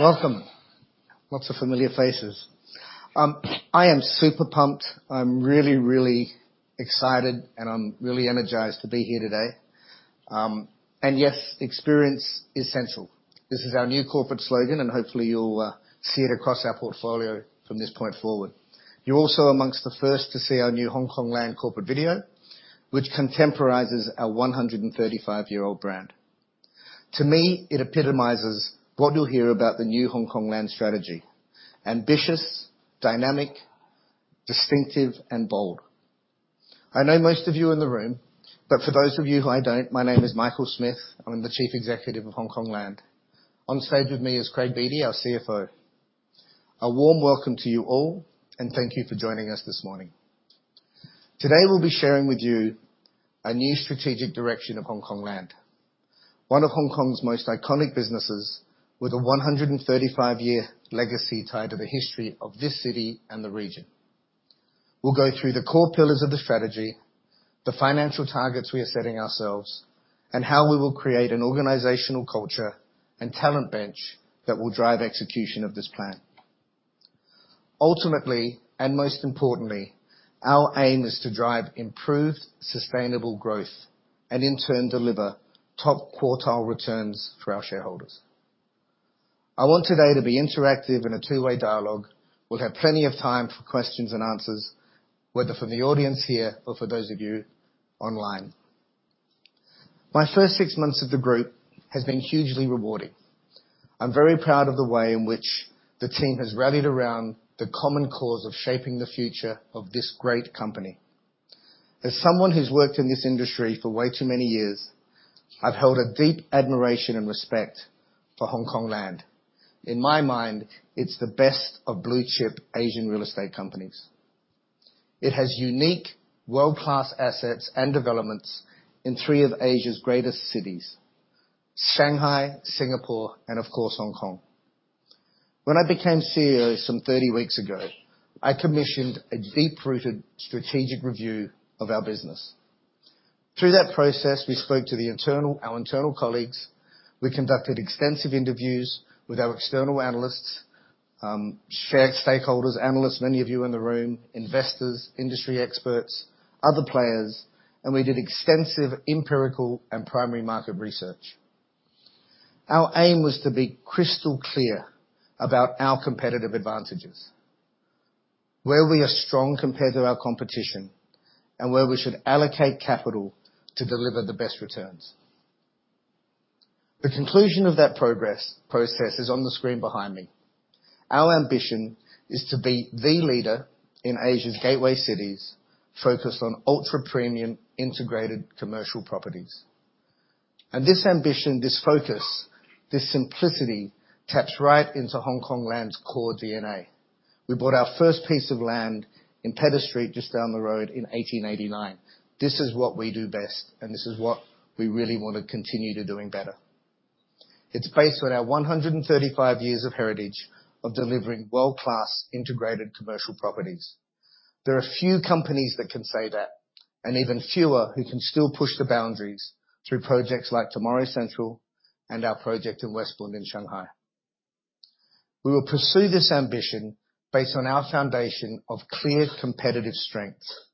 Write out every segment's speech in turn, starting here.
Welcome. Lots of familiar faces. I am super pumped. I'm really excited, and I'm really energized to be here today. Yes, experience is central. This is our new corporate slogan, and hopefully you'll see it across our portfolio from this point forward. You're also amongst the first to see our new Hongkong Land corporate video, which contemporizes our 135-year-old brand. To me, it epitomizes what you'll hear about the new Hongkong Land strategy: ambitious, dynamic, distinctive, and bold. I know most of you in the room, but for those of you who I don't, my name is Michael Smith. I'm the Chief Executive of Hongkong Land. Onstage with me is Craig Beattie, our CFO. A warm welcome to you all, thank you for joining us this morning. Today, we'll be sharing with you a new strategic direction of Hongkong Land, one of Hong Kong's most iconic businesses, with a 135-year legacy tied to the history of this city and the region. We'll go through the core pillars of the strategy, the financial targets we are setting ourselves, and how we will create an organizational culture and talent bench that will drive execution of this plan. Ultimately, most importantly, our aim is to drive improved, sustainable growth, in turn, deliver top-quartile returns for our shareholders. I want today to be interactive and a two-way dialogue. We'll have plenty of time for questions and answers, whether from the audience here or for those of you online. My first six months of the group has been hugely rewarding. I'm very proud of the way in which the team has rallied around the common cause of shaping the future of this great company. As someone who's worked in this industry for way too many years, I've held a deep admiration and respect for Hongkong Land. In my mind, it's the best of blue-chip Asian real estate companies. It has unique, world-class assets and developments in three of Asia's greatest cities, Shanghai, Singapore, and of course, Hong Kong. When I became CEO some 30 weeks ago, I commissioned a deep-rooted strategic review of our business. Through that process, we spoke to our internal colleagues, we conducted extensive interviews with our external analysts, shared stakeholders, analysts, many of you in the room, investors, industry experts, other players, we did extensive empirical and primary market research. Our aim was to be crystal clear about our competitive advantages, where we are strong compared to our competition, where we should allocate capital to deliver the best returns. The conclusion of that process is on the screen behind me. Our ambition is to be the leader in Asia's gateway cities, focused on ultra-premium integrated commercial properties. This ambition, this focus, this simplicity taps right into Hongkong Land's core DNA. We bought our first piece of land in Pedder Street, just down the road in 1889. This is what we do best, this is what we really want to continue to doing better. It's based on our 135 years of heritage of delivering world-class integrated commercial properties. There are few companies that can say that, even fewer who can still push the boundaries through projects like Tomorrow's CENTRAL and our project in West Bund in Shanghai. We will pursue this ambition based on our foundation of clear competitive strengths.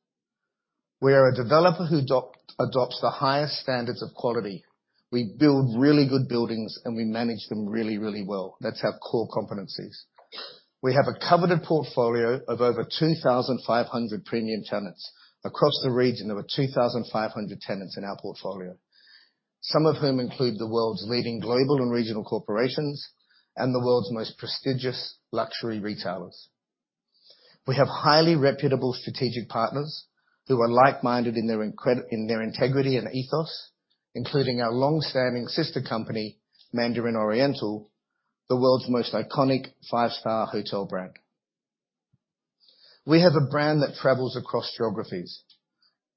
We are a developer who adopts the highest standards of quality. We build really good buildings, and we manage them really well. That's our core competencies. We have a coveted portfolio of over 2,500 premium tenants. Across the region, there were 2,500 tenants in our portfolio, some of whom include the world's leading global and regional corporations, and the world's most prestigious luxury retailers. We have highly reputable strategic partners who are like-minded in their integrity and ethos, including our long-standing sister company, Mandarin Oriental, the world's most iconic five-star hotel brand. We have a brand that travels across geographies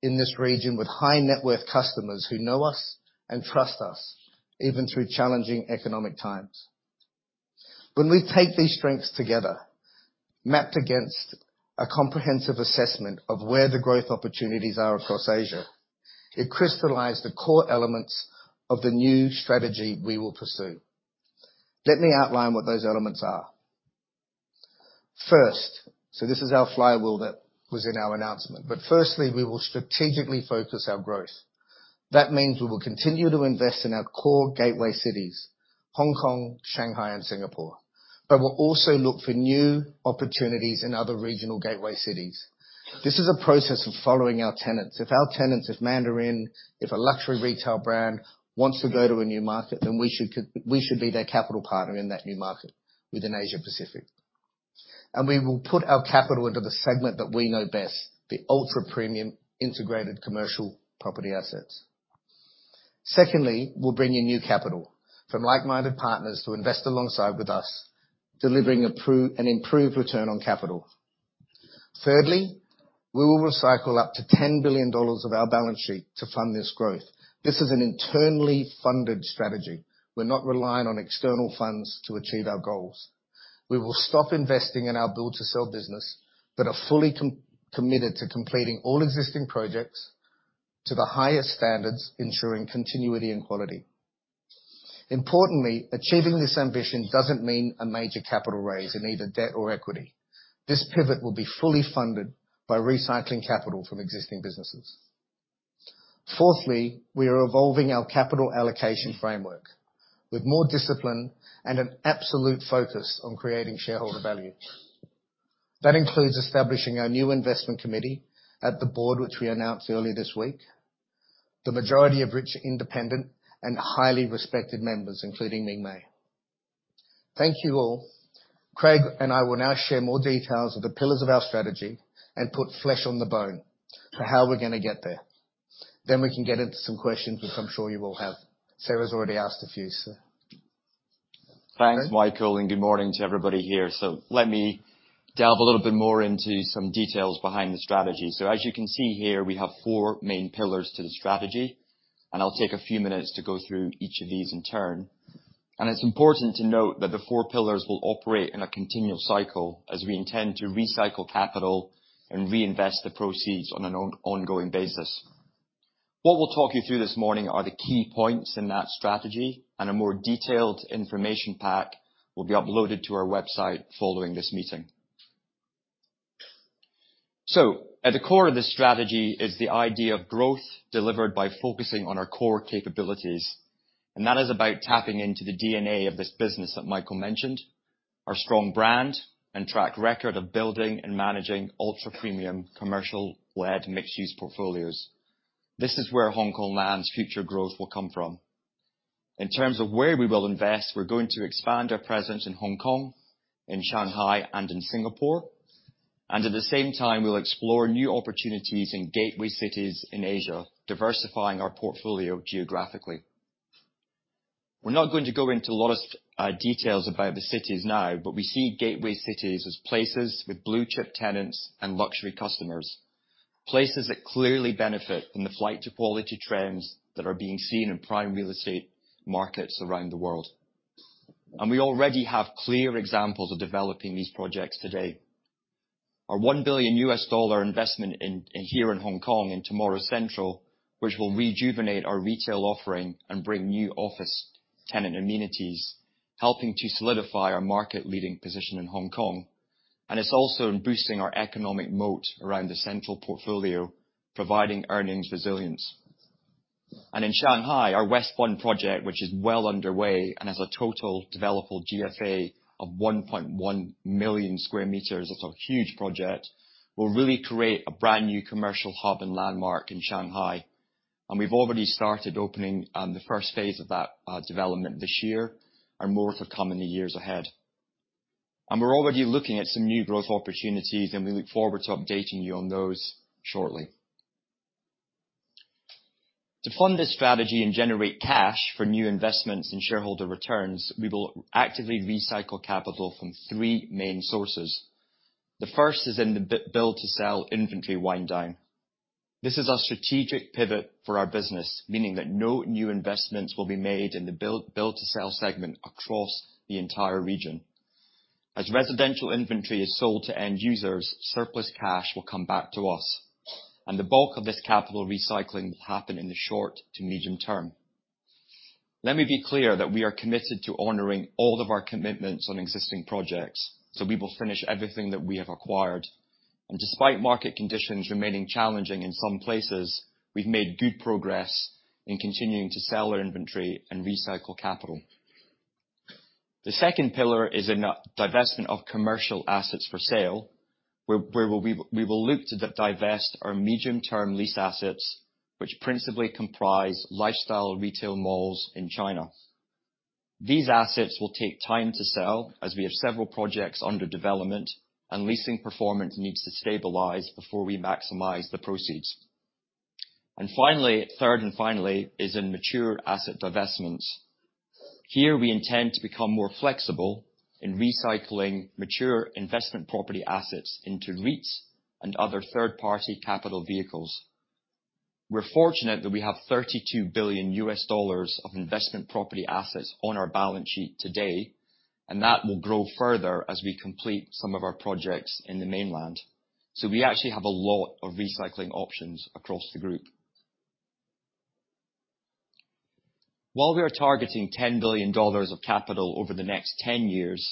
in this region with high-net-worth customers who know us and trust us, even through challenging economic times. When we take these strengths together, mapped against a comprehensive assessment of where the growth opportunities are across Asia, it crystallized the core elements of the new strategy we will pursue. Let me outline what those elements are. First, this is our flywheel that was in our announcement, firstly, we will strategically focus our growth. That means we will continue to invest in our core gateway cities, Hong Kong, Shanghai, and Singapore, we'll also look for new opportunities in other regional gateway cities. This is a process of following our tenants. If our tenants, if Mandarin, if a luxury retail brand wants to go to a new market, we should be their capital partner in that new market within Asia-Pacific. We will put our capital into the segment that we know best, the ultra-premium integrated commercial property assets. Secondly, we'll bring in new capital from like-minded partners to invest alongside with us, delivering an improved return on capital. Thirdly, we will recycle up to $10 billion of our balance sheet to fund this growth. This is an internally funded strategy. We're not reliant on external funds to achieve our goals. We will stop investing in our build-to-sell business, are fully committed to completing all existing projects To the highest standards, ensuring continuity and quality. Importantly, achieving this ambition doesn't mean a major capital raise in either debt or equity. This pivot will be fully funded by recycling capital from existing businesses. Fourthly, we are evolving our capital allocation framework with more discipline and an absolute focus on creating shareholder value. That includes establishing our new investment committee at the board, which we announced earlier this week. The majority of which are independent and highly respected members, including Ming Mei. Thank you all. Craig and I will now share more details of the pillars of our strategy and put flesh on the bone to how we're going to get there. We can get into some questions, which I'm sure you will have. Sarah's already asked a few, Craig. Thanks, Michael, good morning to everybody here. Let me delve a little bit more into some details behind the strategy. As you can see here, we have four main pillars to the strategy, I'll take a few minutes to go through each of these in turn. It's important to note that the four pillars will operate in a continual cycle as we intend to recycle capital and reinvest the proceeds on an ongoing basis. What we'll talk you through this morning are the key points in that strategy, a more detailed information pack will be uploaded to our website following this meeting. At the core of this strategy is the idea of growth delivered by focusing on our core capabilities, that is about tapping into the DNA of this business that Michael mentioned, our strong brand and track record of building and managing ultra-premium commercial-led mixed-use portfolios. This is where Hongkong Land's future growth will come from. In terms of where we will invest, we're going to expand our presence in Hong Kong, in Shanghai, and in Singapore. At the same time, we'll explore new opportunities in gateway cities in Asia, diversifying our portfolio geographically. We're not going to go into a lot of details about the cities now, but we see gateway cities as places with blue-chip tenants and luxury customers. Places that clearly benefit from the flight to quality trends that are being seen in prime real estate markets around the world. We already have clear examples of developing these projects today. Our US$1 billion investment here in Hong Kong in Tomorrow's CENTRAL, which will rejuvenate our retail offering and bring new office tenant amenities, helping to solidify our market-leading position in Hong Kong. It's also in boosting our economic moat around the central portfolio, providing earnings resilience. In Shanghai, our West Bund project, which is well underway and has a total developable GFA of 1.1 million square meters, it's a huge project, will really create a brand-new commercial hub and landmark in Shanghai. We've already started opening the first phase of that development this year, more to come in the years ahead. We're already looking at some new growth opportunities, we look forward to updating you on those shortly. To fund this strategy and generate cash for new investments in shareholder returns, we will actively recycle capital from three main sources. The first is in the build-to-sell inventory wind down. This is a strategic pivot for our business, meaning that no new investments will be made in the build-to-sell segment across the entire region. As residential inventory is sold to end users, surplus cash will come back to us, the bulk of this capital recycling will happen in the short to medium term. Let me be clear that we are committed to honoring all of our commitments on existing projects, we will finish everything that we have acquired. Despite market conditions remaining challenging in some places, we've made good progress in continuing to sell our inventory and recycle capital. The second pillar is in divestment of commercial assets for sale, where we will look to divest our medium-term lease assets, which principally comprise lifestyle retail malls in China. These assets will take time to sell as we have several projects under development, and leasing performance needs to stabilize before we maximize the proceeds. Third, and finally, is in mature asset divestments. Here we intend to become more flexible in recycling mature investment property assets into REITs and other third-party capital vehicles. We're fortunate that we have $32 billion of investment property assets on our balance sheet today, and that will grow further as we complete some of our projects in the mainland. We actually have a lot of recycling options across the group. While we are targeting $10 billion of capital over the next 10 years,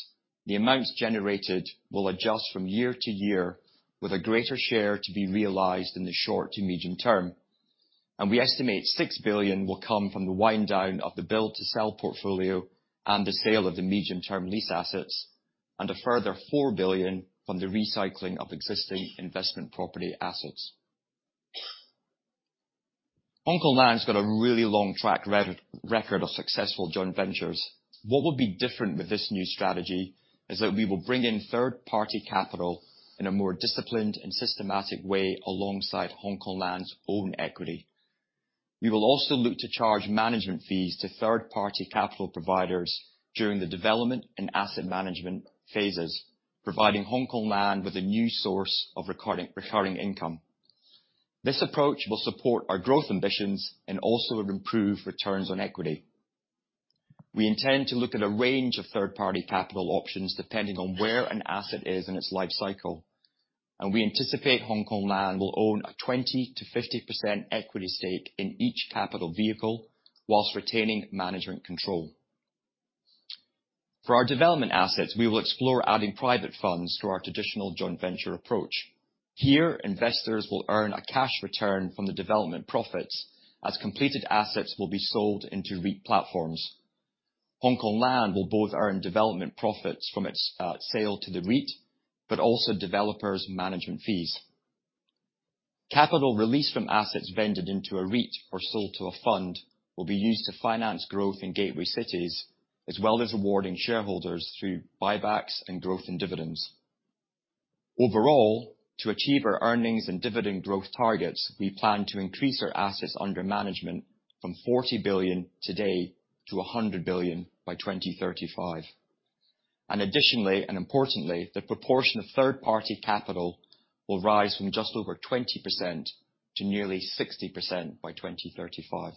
the amounts generated will adjust from year to year with a greater share to be realized in the short to medium term. We estimate $6 billion will come from the wind down of the build-to-sell portfolio and the sale of the medium-term lease assets, and a further $4 billion from the recycling of existing investment property assets. Hongkong Land's got a really long track record of successful joint ventures. What will be different with this new strategy is that we will bring in third-party capital in a more disciplined and systematic way alongside Hongkong Land's own equity. We will also look to charge management fees to third-party capital providers during the development and asset management phases, providing Hongkong Land with a new source of recurring income. This approach will support our growth ambitions and also improve returns on equity. We intend to look at a range of third-party capital options depending on where an asset is in its life cycle. We anticipate Hongkong Land will own a 20%-50% equity stake in each capital vehicle whilst retaining management control. For our development assets, we will explore adding private funds to our traditional joint venture approach. Here, investors will earn a cash return from the development profits as completed assets will be sold into REIT platforms. Hongkong Land will both earn development profits from its sale to the REIT, but also developers management fees. Capital released from assets vended into a REIT or sold to a fund will be used to finance growth in gateway cities, as well as rewarding shareholders through buybacks and growth in dividends. Overall, to achieve our earnings and dividend growth targets, we plan to increase our assets under management from $40 billion today to $100 billion by 2035. Additionally and importantly, the proportion of third-party capital will rise from just over 20% to nearly 60% by 2035.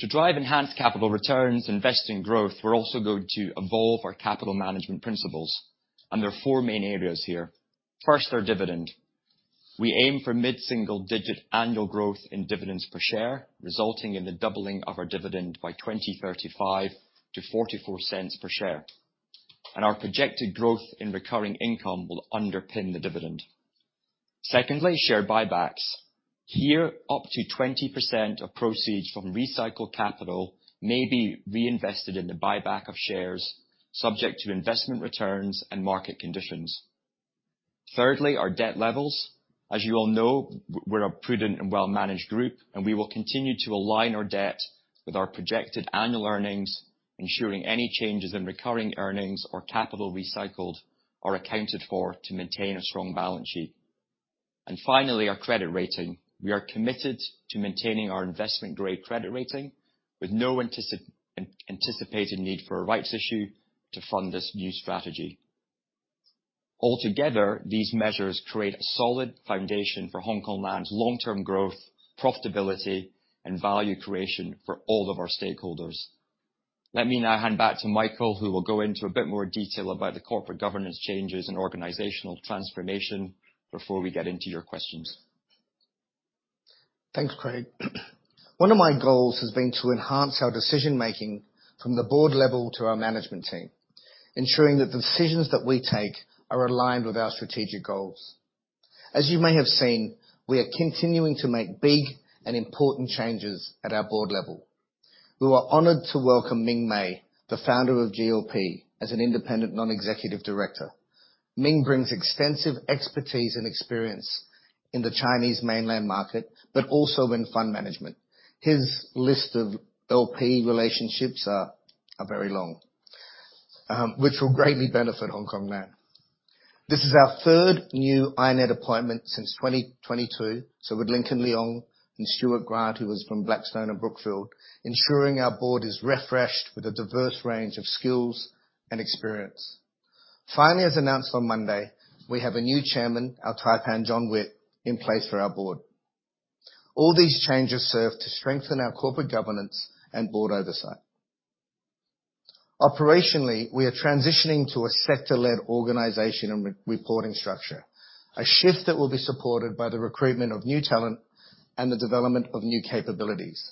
To drive enhanced capital returns, invest in growth, we're also going to evolve our capital management principles, and there are four main areas here. First, our dividend. We aim for mid-single-digit annual growth in dividends per share, resulting in the doubling of our dividend by 2035 to $0.44 per share, and our projected growth in recurring income will underpin the dividend. Secondly, share buybacks. Here, up to 20% of proceeds from recycled capital may be reinvested in the buyback of shares subject to investment returns and market conditions. Thirdly, our debt levels. As you all know, we're a prudent and well-managed group, and we will continue to align our debt with our projected annual earnings, ensuring any changes in recurring earnings or capital recycled are accounted for to maintain a strong balance sheet. Finally, our credit rating. We are committed to maintaining our investment-grade credit rating with no anticipated need for a rights issue to fund this new strategy. Altogether, these measures create a solid foundation for Hongkong Land's long-term growth, profitability, and value creation for all of our stakeholders. Let me now hand back to Michael, who will go into a bit more detail about the corporate governance changes and organizational transformation before we get into your questions. Thanks, Craig. One of my goals has been to enhance our decision-making from the board level to our management team, ensuring that the decisions that we take are aligned with our strategic goals. As you may have seen, we are continuing to make big and important changes at our board level. We were honored to welcome Ming Mei, the founder of GLP, as an independent non-executive director. Ming brings extensive expertise and experience in the Chinese mainland market, but also in fund management. His list of LP relationships are very long, which will greatly benefit Hongkong Land. This is our third new INED appointment since 2022, so with Lincoln Leong and Stuart Grant, who was from Blackstone and Brookfield, ensuring our board is refreshed with a diverse range of skills and experience. Finally, as announced on Monday, we have a new chairman, our taipan, John Witt, in place for our board. All these changes serve to strengthen our corporate governance and board oversight. Operationally, we are transitioning to a sector-led organization and reporting structure, a shift that will be supported by the recruitment of new talent and the development of new capabilities.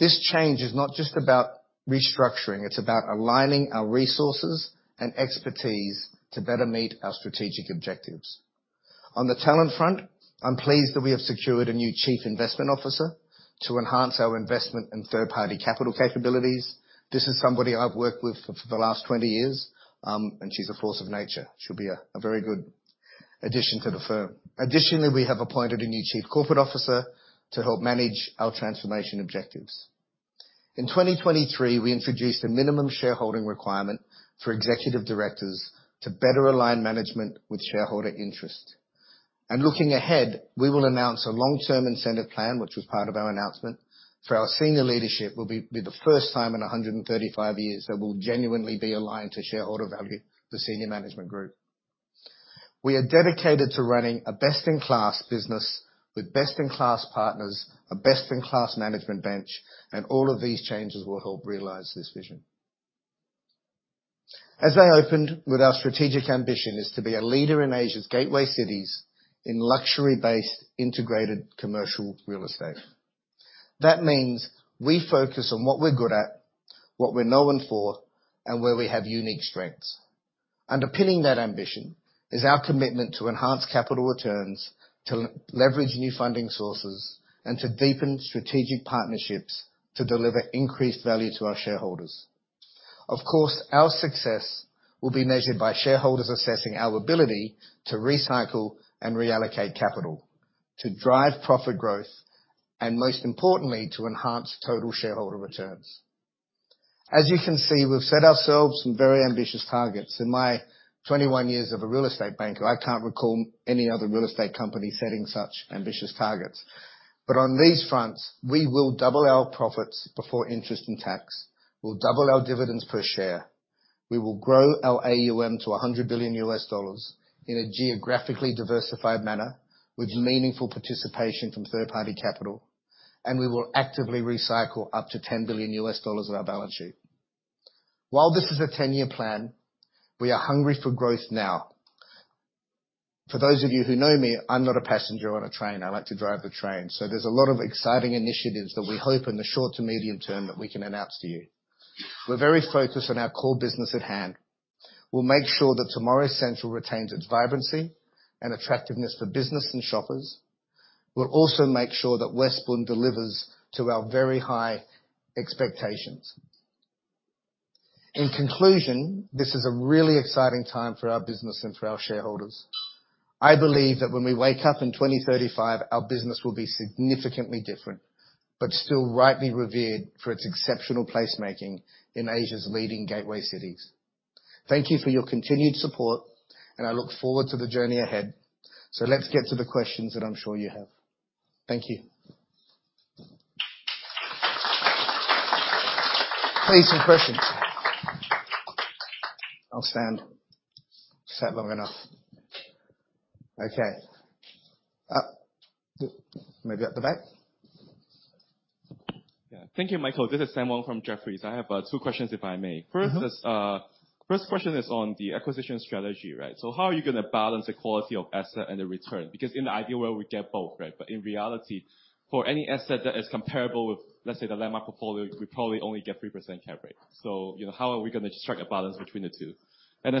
This change is not just about restructuring, it's about aligning our resources and expertise to better meet our strategic objectives. On the talent front, I'm pleased that we have secured a new chief investment officer to enhance our investment in third-party capital capabilities. This is somebody I've worked with for the last 20 years, and she's a force of nature. She'll be a very good addition to the firm. Additionally, we have appointed a new chief corporate officer to help manage our transformation objectives. In 2023, we introduced a minimum shareholding requirement for executive directors to better align management with shareholder interest. Looking ahead, we will announce a long-term incentive plan, which was part of our announcement, for our senior leadership will be the first time in 135 years that we'll genuinely be aligned to shareholder value, the senior management group. We are dedicated to running a best-in-class business with best-in-class partners, a best-in-class management bench, and all of these changes will help realize this vision. As I opened with our strategic ambition is to be a leader in Asia's gateway cities in luxury-based integrated commercial real estate. That means we focus on what we're good at, what we're known for, and where we have unique strengths. Underpinning that ambition is our commitment to enhance capital returns, to leverage new funding sources, and to deepen strategic partnerships to deliver increased value to our shareholders. Of course, our success will be measured by shareholders assessing our ability to recycle and reallocate capital, to drive profit growth, and most importantly, to enhance total shareholder returns. As you can see, we've set ourselves some very ambitious targets. In my 21 years of a real estate banker, I can't recall any other real estate company setting such ambitious targets. On these fronts, we will double our profits before interest and tax, we'll double our dividends per share. We will grow our AUM to $100 billion in a geographically diversified manner with meaningful participation from third-party capital, and we will actively recycle up to $10 billion of our balance sheet. While this is a 10-year plan, we are hungry for growth now. For those of you who know me, I'm not a passenger on a train. I like to drive the train. There's a lot of exciting initiatives that we hope in the short to medium term that we can announce to you. We are very focused on our core business at hand. We'll make sure that Tomorrow's CENTRAL retains its vibrancy and attractiveness for business and shoppers. We'll also make sure that West Bund delivers to our very high expectations. In conclusion, this is a really exciting time for our business and for our shareholders. I believe that when we wake up in 2035, our business will be significantly different, but still rightly revered for its exceptional placemaking in Asia's leading gateway cities. Thank you for your continued support, and I look forward to the journey ahead. Let's get to the questions that I'm sure you have. Thank you. Please, some questions. I'll stand. Sat long enough. Okay. Maybe at the back. Thank you, Michael. This is Sam Wong from Jefferies. I have two questions, if I may. First question is on the acquisition strategy, right? How are you going to balance the quality of asset and the return? In the ideal world, we get both, right? In reality, for any asset that is comparable with, let's say, the LANDMARK portfolio, we probably only get 3% cap rate. How are we going to strike a balance between the two?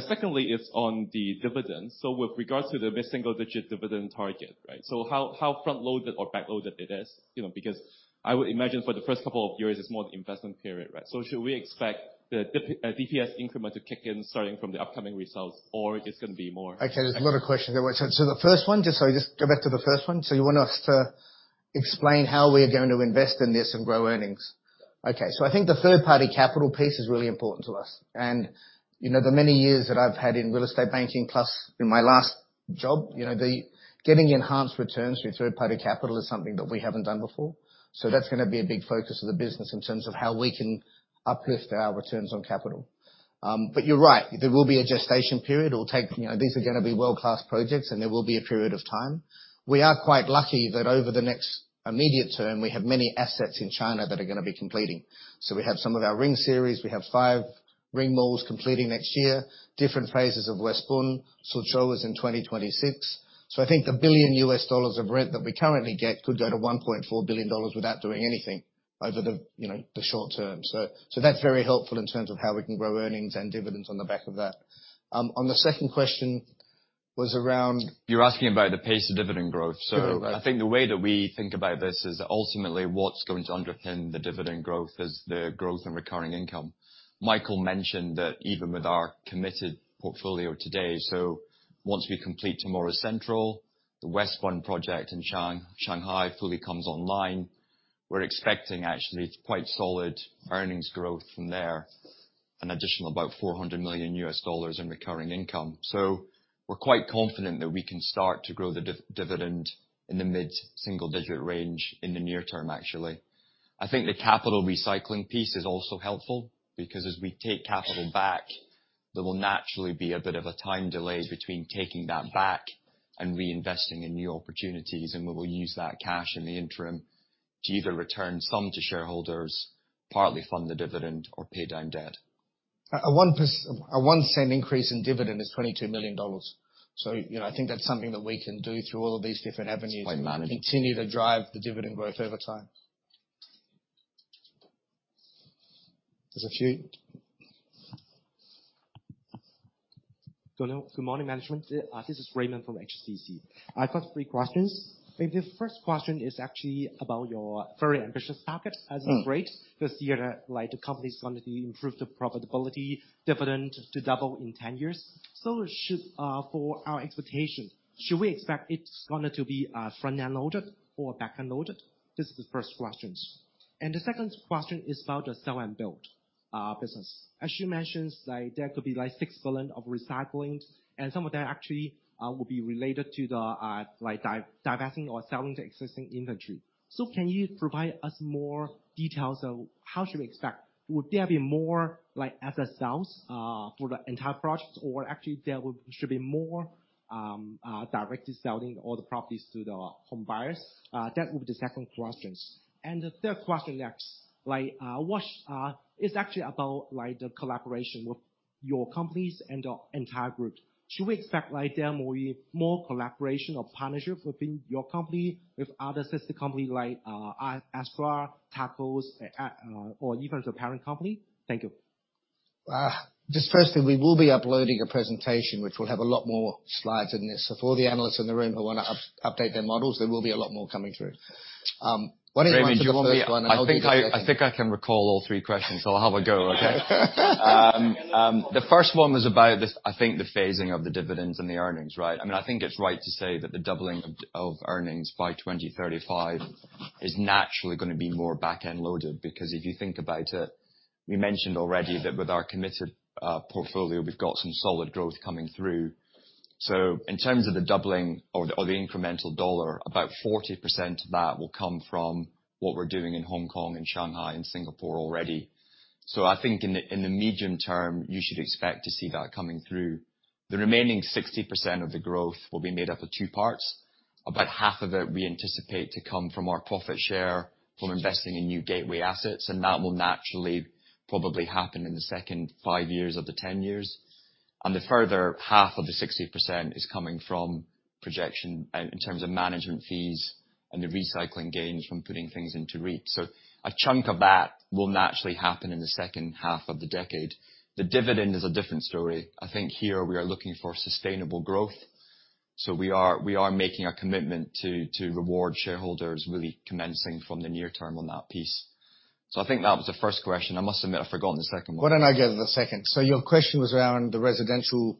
Secondly is on the dividend. With regards to the mid-single digit dividend target, right? How front-loaded or back-loaded it is? I would imagine for the first couple of years, it's more the investment period, right? Should we expect the DPS increment to kick in starting from the upcoming results, or it's going to be more- Okay, there's a lot of questions there. The first one, just I go back to the first one. You want us to explain how we are going to invest in this and grow earnings? Yeah. Okay. I think the third-party capital piece is really important to us. The many years that I've had in real estate banking, plus in my last job, getting enhanced returns through third-party capital is something that we haven't done before. That's going to be a big focus of the business in terms of how we can uplift our returns on capital. You're right. There will be a gestation period. These are going to be world-class projects, and there will be a period of time. We are quite lucky that over the next immediate term, we have many assets in China that are going to be completing. We have some of our Ring series. We have five Ring malls completing next year, different phases of West Bund. Suzhou is in 2026. I think the billion U.S. dollars of rent that we currently get could go to $1.4 billion without doing anything over the short term. That's very helpful in terms of how we can grow earnings and dividends on the back of that. On the second question was around- You're asking about the pace of dividend growth. I think the way that we think about this is ultimately what's going to underpin the dividend growth is the growth in recurring income. Michael Smith mentioned that even with our committed portfolio today, once we complete Tomorrow's CENTRAL, the West Bund project in Shanghai fully comes online, we're expecting actually quite solid earnings growth from there, an additional about $400 million in recurring income. We're quite confident that we can start to grow the dividend in the mid-single digit range in the near term, actually. I think the capital recycling piece is also helpful because as we take capital back, there will naturally be a bit of a time delay between taking that back and reinvesting in new opportunities, and we will use that cash in the interim to either return some to shareholders, partly fund the dividend, or pay down debt. A $0.01 increase in dividend is $22 million. I think that's something that we can do through all of these different avenues. It's well managed continue to drive the dividend growth over time. There's a few. Good morning, management. This is Raymond from HSBC. I've got three questions. Maybe the first question is actually about your very ambitious target as it relates to the company's ability to improve the profitability dividend to double in 10 years. For our expectation, should we expect it's going to be front-end loaded or back-end loaded? This is the first question. The second question is about the build-to-sell business. As you mentioned, there could be $6 billion of recycling, and some of that actually will be related to divesting or selling the existing inventory. Can you provide us more details of how should we expect? Would there be more asset sales for the entire project, or actually there should be more directly selling all the properties to the home buyers? That would be the second question. The third question next. It's actually about the collaboration with your companies and the entire group. Should we expect there will be more collaboration or partnership within your company with other sister company like Astra, Tacos, or even the parent company? Thank you. Firstly, we will be uploading a presentation which will have a lot more slides in this. For all the analysts in the room who want to update their models, there will be a lot more coming through. Why don't you answer the first one and I'll do the second. Raymond, I think I can recall all three questions, I'll have a go, okay? The first one was about, I think the phasing of the dividends and the earnings, right? I think it's right to say that the doubling of earnings by 2035 is naturally going to be more back-end loaded, because if you think about it, we mentioned already that with our committed portfolio, we've got some solid growth coming through. In terms of the doubling or the incremental dollar, about 40% of that will come from what we're doing in Hong Kong and Shanghai and Singapore already. I think in the medium term, you should expect to see that coming through. The remaining 60% of the growth will be made up of two parts. About half of it we anticipate to come from our profit share from investing in new gateway assets, and that will naturally probably happen in the second 5 years of the 10 years. The further half of the 60% is coming from projection out in terms of management fees and the recycling gains from putting things into REIT. A chunk of that will naturally happen in the second half of the decade. The dividend is a different story. I think here we are looking for sustainable growth, we are making a commitment to reward shareholders really commencing from the near term on that piece. I think that was the first question. I must admit, I've forgotten the second one. Why don't I go to the second? Your question was around the residential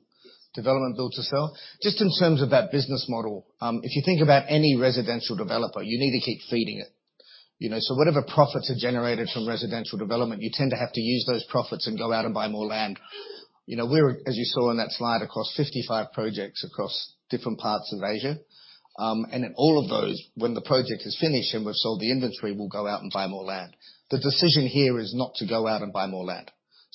development build-to-sell. Just in terms of that business model, if you think about any residential developer, you need to keep feeding it. Whatever profits are generated from residential development, you tend to have to use those profits and go out and buy more land. As you saw in that slide, across 55 projects across different parts of Asia. In all of those, when the project is finished and we've sold the inventory, we'll go out and buy more land. The decision here is not to go out and buy more land.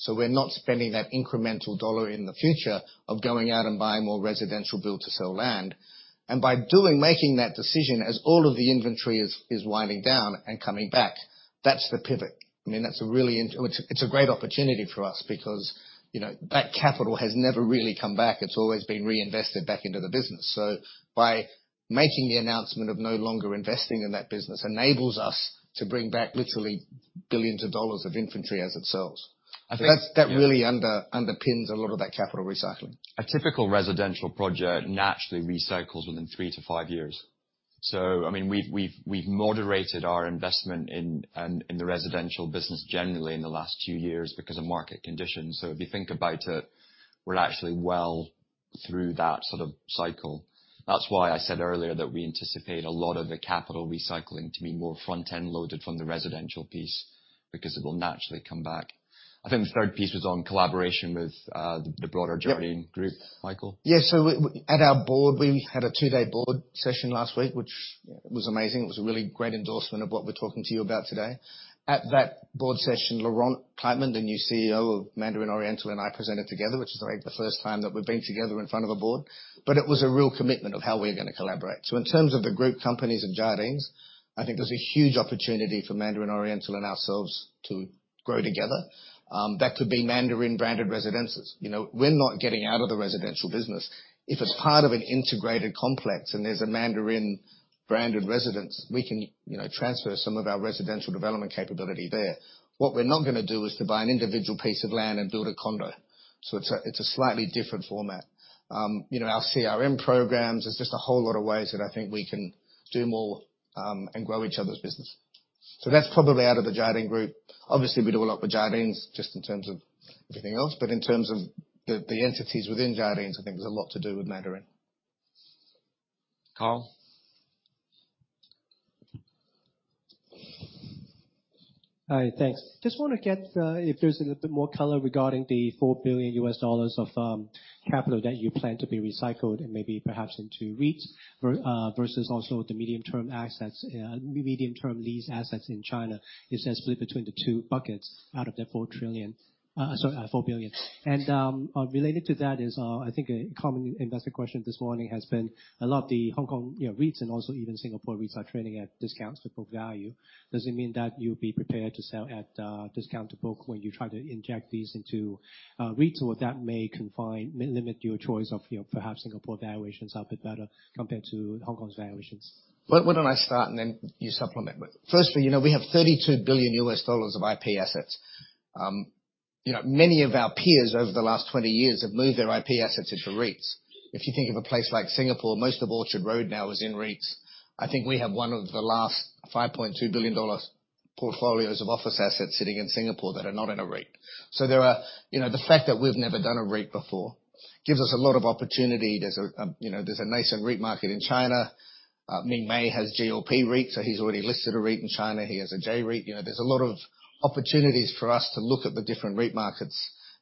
We're not spending that incremental dollar in the future of going out and buying more residential build-to-sell land. By making that decision as all of the inventory is winding down and coming back, that's the pivot. By making the announcement of no longer investing in that business enables us to bring back literally billions of dollars of inventory as it sells. I think that really underpins a lot of that capital recycling. A typical residential project naturally recycles within three to five years. We've moderated our investment in the residential business generally in the last two years because of market conditions. If you think about it, we're actually well through that sort of cycle. That's why I said earlier that we anticipate a lot of the capital recycling to be more front-end loaded from the residential piece because it will naturally come back. I think the third piece was on collaboration with the broader Jardine Group, Michael. Yeah. At our board, we had a two-day board session last week, which was amazing. It was a really great endorsement of what we're talking to you about today. At that board session, Laurent Kleitman, the new CEO of Mandarin Oriental and I, presented together, which is the first time that we've been together in front of a board. It was a real commitment of how we're going to collaborate. In terms of the group companies and Jardines, I think there's a huge opportunity for Mandarin Oriental and ourselves to grow together. That could be Mandarin-branded residences. We're not getting out of the residential business. If it's part of an integrated complex and there's a Mandarin-branded residence, we can transfer some of our residential development capability there. What we're not going to do is to buy an individual piece of land and build a condo. It's a slightly different format. Our CRM programs, there's just a whole lot of ways that I think we can do more, and grow each other's business. That's probably out of the Jardine group. Obviously, we do a lot with Jardines just in terms of everything else, but in terms of the entities within Jardines, I think there's a lot to do with Mandarin. Carl? Hi, thanks. Just want to get if there's a little bit more color regarding the $4 billion of capital that you plan to be recycled and maybe perhaps into REITs versus also the medium-term lease assets in China is, say, split between the two buckets out of the $4 billion. Related to that is, I think a common investor question this morning has been a lot of the Hong Kong REITs and also even Singapore REITs are trading at discounts to book value. Does it mean that you'll be prepared to sell at a discount to book when you try to inject these into REITs, or that may limit your choice of perhaps Singapore valuations are a bit better compared to Hong Kong's valuations? Why don't I start and then you supplement? Firstly, we have $32 billion of IP assets. Many of our peers over the last 20 years have moved their IP assets into REITs. If you think of a place like Singapore, most of Orchard Road now is in REITs. I think we have one of the last $5.2 billion portfolios of office assets sitting in Singapore that are not in a REIT. The fact that we've never done a REIT before gives us a lot of opportunity. There's a nascent REIT market in China. Ming Mei has GLP REIT, he's already listed a REIT in China. He has a J-REIT. There's a lot of opportunities for us to look at the different REIT markets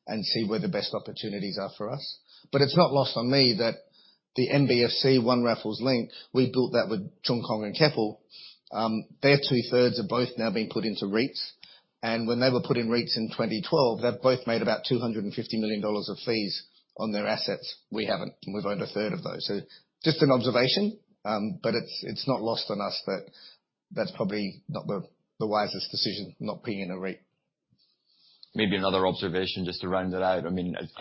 and see where the best opportunities are for us. It's not lost on me that the Marina Bay Financial Centre One Raffles Quay, we built that with Cheung Kong and Keppel. Their two-thirds have both now been put into REITs. When they were put in REITs in 2012, they've both made about 250 million dollars of fees on their assets. We haven't, and we've owned a third of those. Just an observation, but it's not lost on us that that's probably not the wisest decision not being in a REIT. Maybe another observation just to round it out. I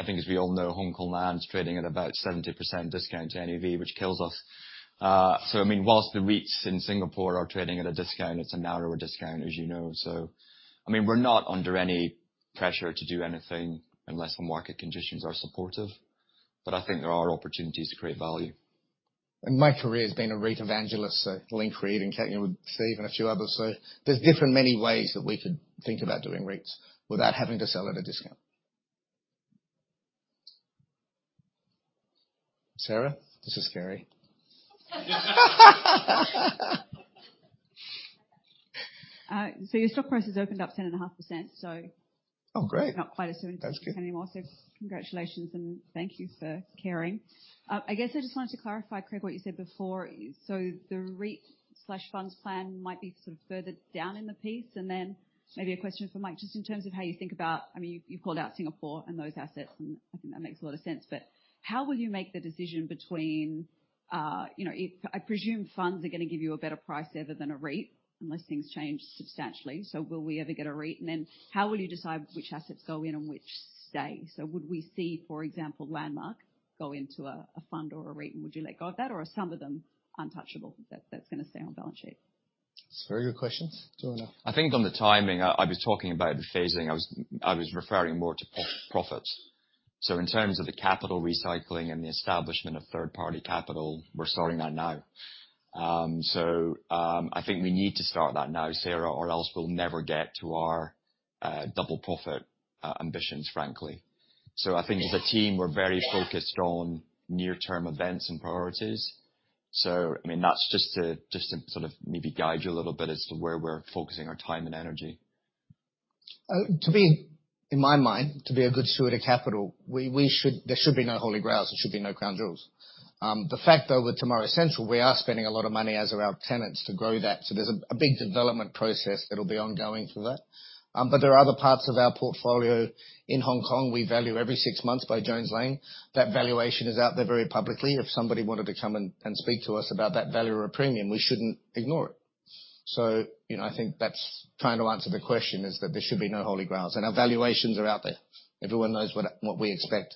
think as we all know, Hongkong Land's trading at about 70% discount to NAV, which kills us. Whilst the REITs in Singapore are trading at a discount, it's a narrower discount, as you know. We're not under any pressure to do anything unless the market conditions are supportive. I think there are opportunities to create value. My career has been a REIT evangelist, Link REIT and Keppel with Steve and a few others. There's different many ways that we could think about doing REITs without having to sell at a discount. Sarah? This is scary. Your stock price has opened up 10.5%. Oh, great not quite as soon anymore. That's good. Congratulations and thank you for caring. I guess I just wanted to clarify, Craig, what you said before. The REIT/fund plan might be sort of further down in the piece and then maybe a question for Mike, just in terms of how you think about You called out Singapore and those assets, and I think that makes a lot of sense, but how will you make the decision between, I presume funds are going to give you a better price there than a REIT, unless things change substantially. Will we ever get a REIT? Then how will you decide which assets go in and which stay? Would we see, for example, LANDMARK go into a fund or a REIT, and would you let go of that? Are some of them untouchable, that's going to stay on balance sheet? That's very good questions. I think on the timing, I was talking about the phasing. I was referring more to profits. In terms of the capital recycling and the establishment of third-party capital, we're starting that now. I think we need to start that now, Sarah, or else we'll never get to our double profit ambitions, frankly. I think as a team, we're very focused on near-term events and priorities. That's just to maybe guide you a little bit as to where we're focusing our time and energy. In my mind, to be a good steward of capital, there should be no holy grails. There should be no crown jewels. The fact, though, with Tomorrow's CENTRAL, we are spending a lot of money, as are our tenants, to grow that. There's a big development process that'll be ongoing for that. There are other parts of our portfolio in Hong Kong we value every six months by Jones Lang. That valuation is out there very publicly. If somebody wanted to come and speak to us about that value or a premium, we shouldn't ignore it. I think that's trying to answer the question, is that there should be no holy grails, and our valuations are out there. Everyone knows what we expect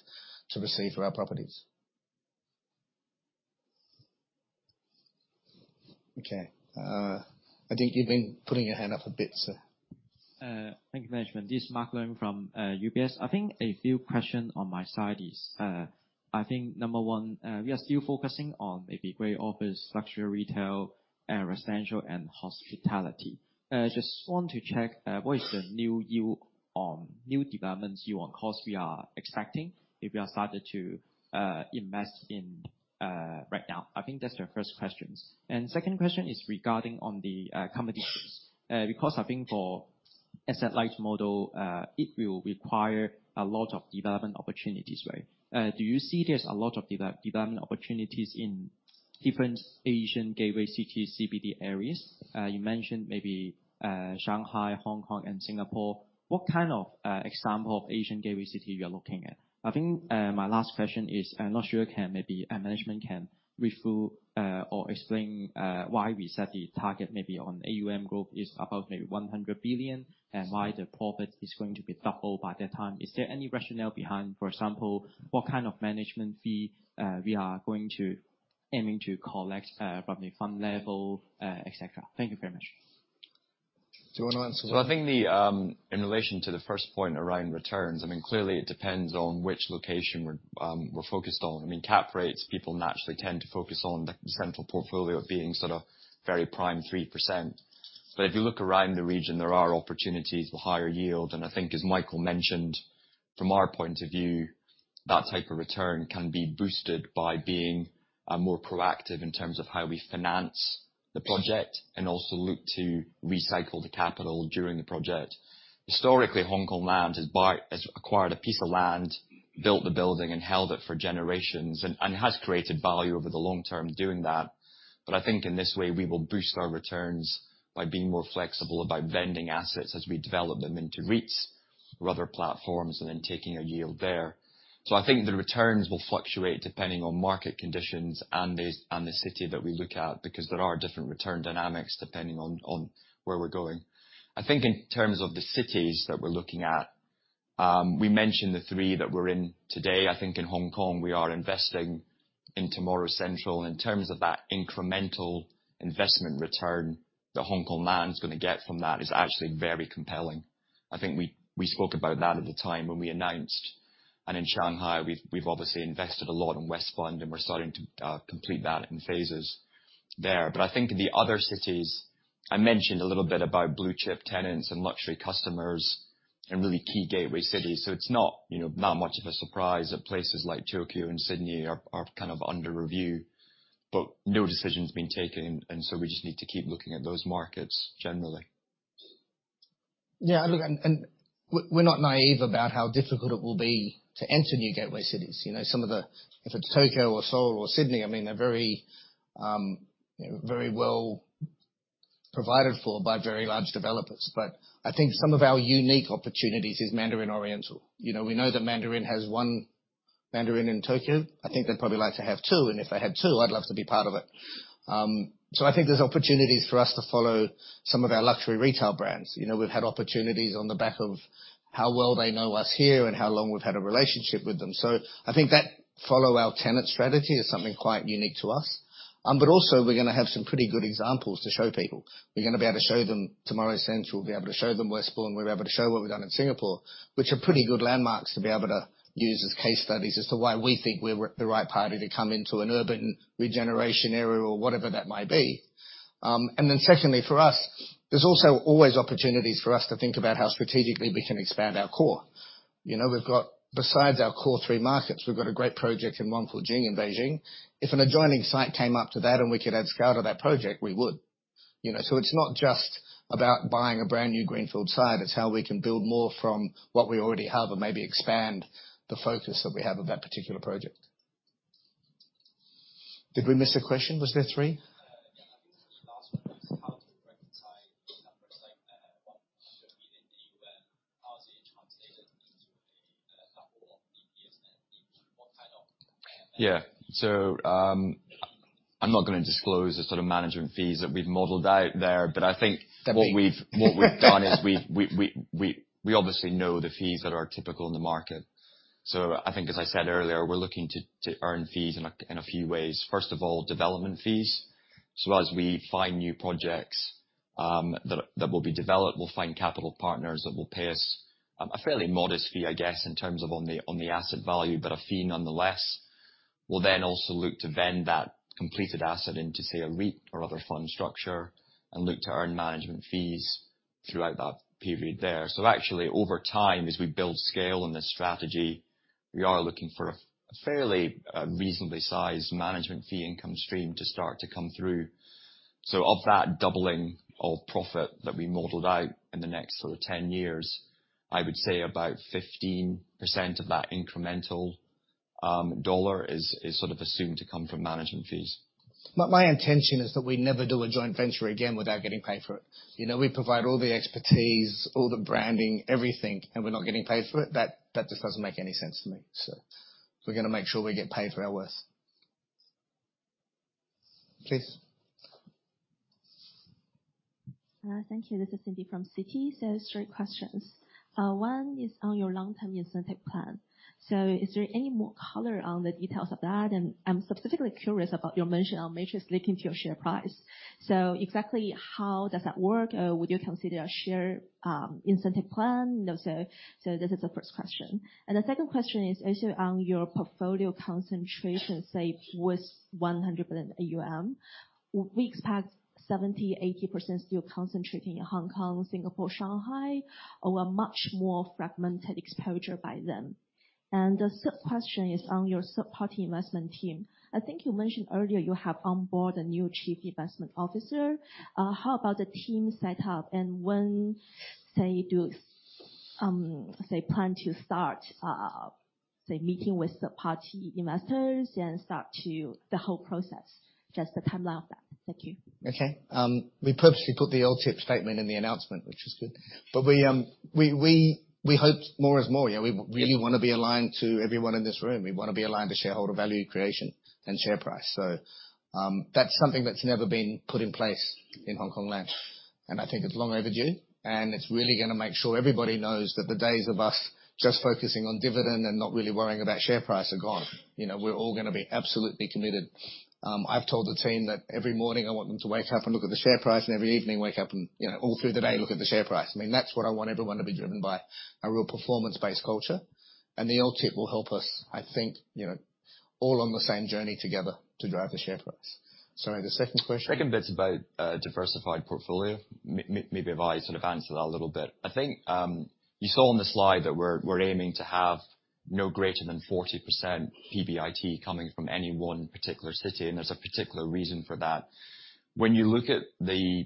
to receive for our properties. Okay. I think you've been putting your hand up a bit, sir. Thank you very much. This is Mark Leung from UBS. I think a few question on my side is, I think number one, we are still focusing on maybe great office, luxury retail, residential, and hospitality. Just want to check, what is the new yield on new developments yield on cost we are expecting if we are started to invest in right now? I think that's the first questions. Second question is regarding on the company shares. I think for asset-light model, it will require a lot of development opportunities, right? Do you see there's a lot of development opportunities in different Asian gateway cities, CBD areas? You mentioned maybe Shanghai, Hong Kong, and Singapore. What kind of example of Asian gateway city you are looking at? I think my last question is, I'm not sure management can reveal or explain why we set the target on AUM growth is about 100 billion. Right Why the profit is going to be double by that time. Is there any rationale behind, for example, what kind of management fee we are aiming to collect from the fund level, et cetera? Thank you very much. Do you want to answer that? I think in relation to the first point around returns, clearly it depends on which location we're focused on. Cap rates, people naturally tend to focus on the Central portfolio being sort of very prime 3%. If you look around the region, there are opportunities for higher yield. I think as Michael mentioned, from our point of view, that type of return can be boosted by being more proactive in terms of how we finance the project and also look to recycle the capital during the project. Historically, Hongkong Land has acquired a piece of land, built the building, and held it for generations, and it has created value over the long term doing that. In this way, we will boost our returns by being more flexible about vending assets as we develop them into REITs or other platforms, and then taking a yield there. The returns will fluctuate depending on market conditions and the city that we look at, because there are different return dynamics depending on where we're going. I think in terms of the cities that we're looking at, we mentioned the three that we're in today. I think in Hong Kong, we are investing in Tomorrow's CENTRAL. In terms of that incremental investment return that Hongkong Land is going to get from that is actually very compelling. I think we spoke about that at the time when we announced. In Shanghai, we've obviously invested a lot in West Bund, and we're starting to complete that in phases there. I think the other cities, I mentioned a little bit about blue-chip tenants and luxury customers and really key gateway cities. It's not much of a surprise that places like Tokyo and Sydney are kind of under review. No decision's been taken, we just need to keep looking at those markets generally. Yeah. Look, we're not naive about how difficult it will be to enter new gateway cities. If it's Tokyo or Seoul or Sydney, they're very well provided for by very large developers. I think some of our unique opportunities is Mandarin Oriental. We know that Mandarin has one Mandarin in Tokyo. I think they'd probably like to have two, and if they had two, I'd love to be part of it. I think there's opportunities for us to follow some of our luxury retail brands. We've had opportunities on the back of how well they know us here and how long we've had a relationship with them. I think that follow our tenant strategy is something quite unique to us. Also, we're going to have some pretty good examples to show people. We're going to be able to show them Tomorrow's CENTRAL, be able to show them West Bund. We're able to show what we've done in Singapore, which are pretty good landmarks to be able to use as case studies as to why we think we're the right party to come into an urban regeneration area or whatever that may be. Secondly, for us, there's also always opportunities for us to think about how strategically we can expand our core. We've got, besides our core three markets, we've got a great project in Wangfujing in Beijing. If an adjoining site came up to that and we could add scale to that project, we would. It's not just about buying a brand new greenfield site, it's how we can build more from what we already have and maybe expand the focus that we have of that particular project. Did we miss a question? Was there three? Yeah. I think the last one was how to recognize the numbers, like what should be the AUM, how is it translated into a couple of years, and into what kind of Yeah. I'm not going to disclose the sort of management fees that we've modeled out there. That'd be what we've done is we obviously know the fees that are typical in the market. I think, as I said earlier, we're looking to earn fees in a few ways. First of all, development fees. As we find new projects that will be developed, we'll find capital partners that will pay us a fairly modest fee, I guess, in terms of on the asset value, but a fee nonetheless. We'll also look to vend that completed asset into, say, a REIT or other fund structure and look to earn management fees throughout that period there. Actually, over time, as we build scale in this strategy, we are looking for a fairly reasonably sized management fee income stream to start to come through. Of that doubling of profit that we modeled out in the next sort of 10 years, I would say about 15% of that incremental $ is sort of assumed to come from management fees. My intention is that we never do a joint venture again without getting paid for it. We provide all the expertise, all the branding, everything, and we're not getting paid for it. That just doesn't make any sense to me. We're going to make sure we get paid for our worth. Please. Thank you. This is Cindy from Citi. Three questions. One is on your long-term incentive plan. Is there any more color on the details of that? I'm specifically curious about your mention of metrics linking to your share price. Exactly how does that work? Would you consider a share incentive plan? This is the first question. The second question is on your portfolio concentration, say with 100% AUM, we expect 70%-80% still concentrating in Hong Kong, Singapore, Shanghai, or a much more fragmented exposure by them. The third question is on your third-party investment team. I think you mentioned earlier you have on board a new chief investment officer. How about the team setup and when do you plan to start meeting with the party investors and start the whole process? Just the timeline of that. Thank you. We purposely put the LTIP statement in the announcement, which is good. We hope more is more. We really want to be aligned to everyone in this room. We want to be aligned to shareholder value creation and share price. That's something that's never been put in place in Hongkong Land, and I think it's long overdue, and it's really going to make sure everybody knows that the days of us just focusing on dividend and not really worrying about share price are gone. We're all going to be absolutely committed. I've told the team that every morning I want them to wake up and look at the share price and every evening wake up and all through the day, look at the share price. That's what I want everyone to be driven by, a real performance-based culture. The LTIP will help us, I think, all on the same journey together to drive the share price. Sorry, the second question? Second bit's about diversified portfolio. Maybe I've answered that a little bit. I think you saw on the slide that we're aiming to have no greater than 40% PBIT coming from any one particular city, and there's a particular reason for that. When you look at the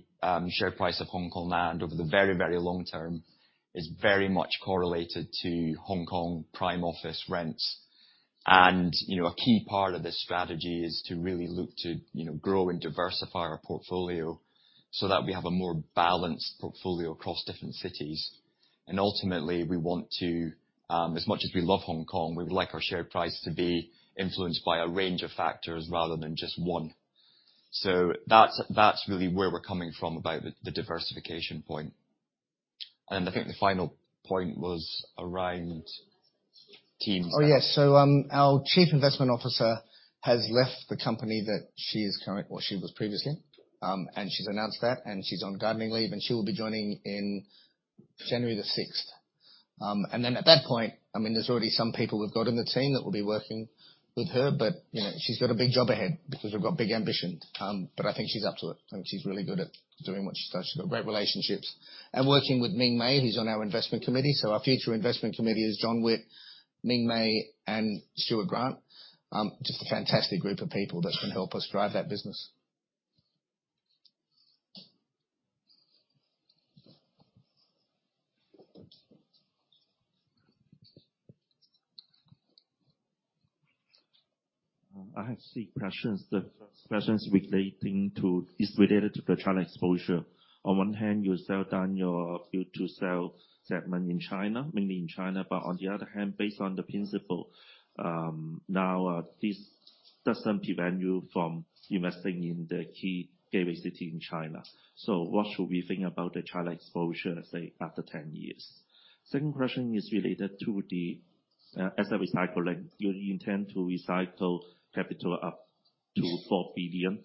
share price of Hongkong Land over the very long term, it's very much correlated to Hong Kong prime office rents. A key part of this strategy is to really look to grow and diversify our portfolio so that we have a more balanced portfolio across different cities. Ultimately, we want to, as much as we love Hong Kong, we would like our share price to be influenced by a range of factors rather than just one. That's really where we're coming from about the diversification point. I think the final point was around teams. Yes. Our Chief Investment Officer has left the company that she was previously. She's announced that, and she's on gardening leave, and she will be joining in January the 6th. At that point, there's already some people we've got in the team that will be working with her. She's got a big job ahead because we've got big ambition. I think she's up to it, and she's really good at doing what she does. She's got great relationships. Working with Ming Mei, who's on our investment committee. Our future investment committee is John Witt, Ming Mei, and Stuart Grant. Just a fantastic group of people that's going to help us drive that business. I have three questions. The first question is related to the China exposure. On one hand, you sell down your, you to sell mainly in China, but on the other hand, based on the principle, this doesn't prevent you from investing in the key gateway city in China. What should we think about the China exposure, say after 10 years? Second question is related to the asset recycling. Do you intend to recycle capital up to $4 billion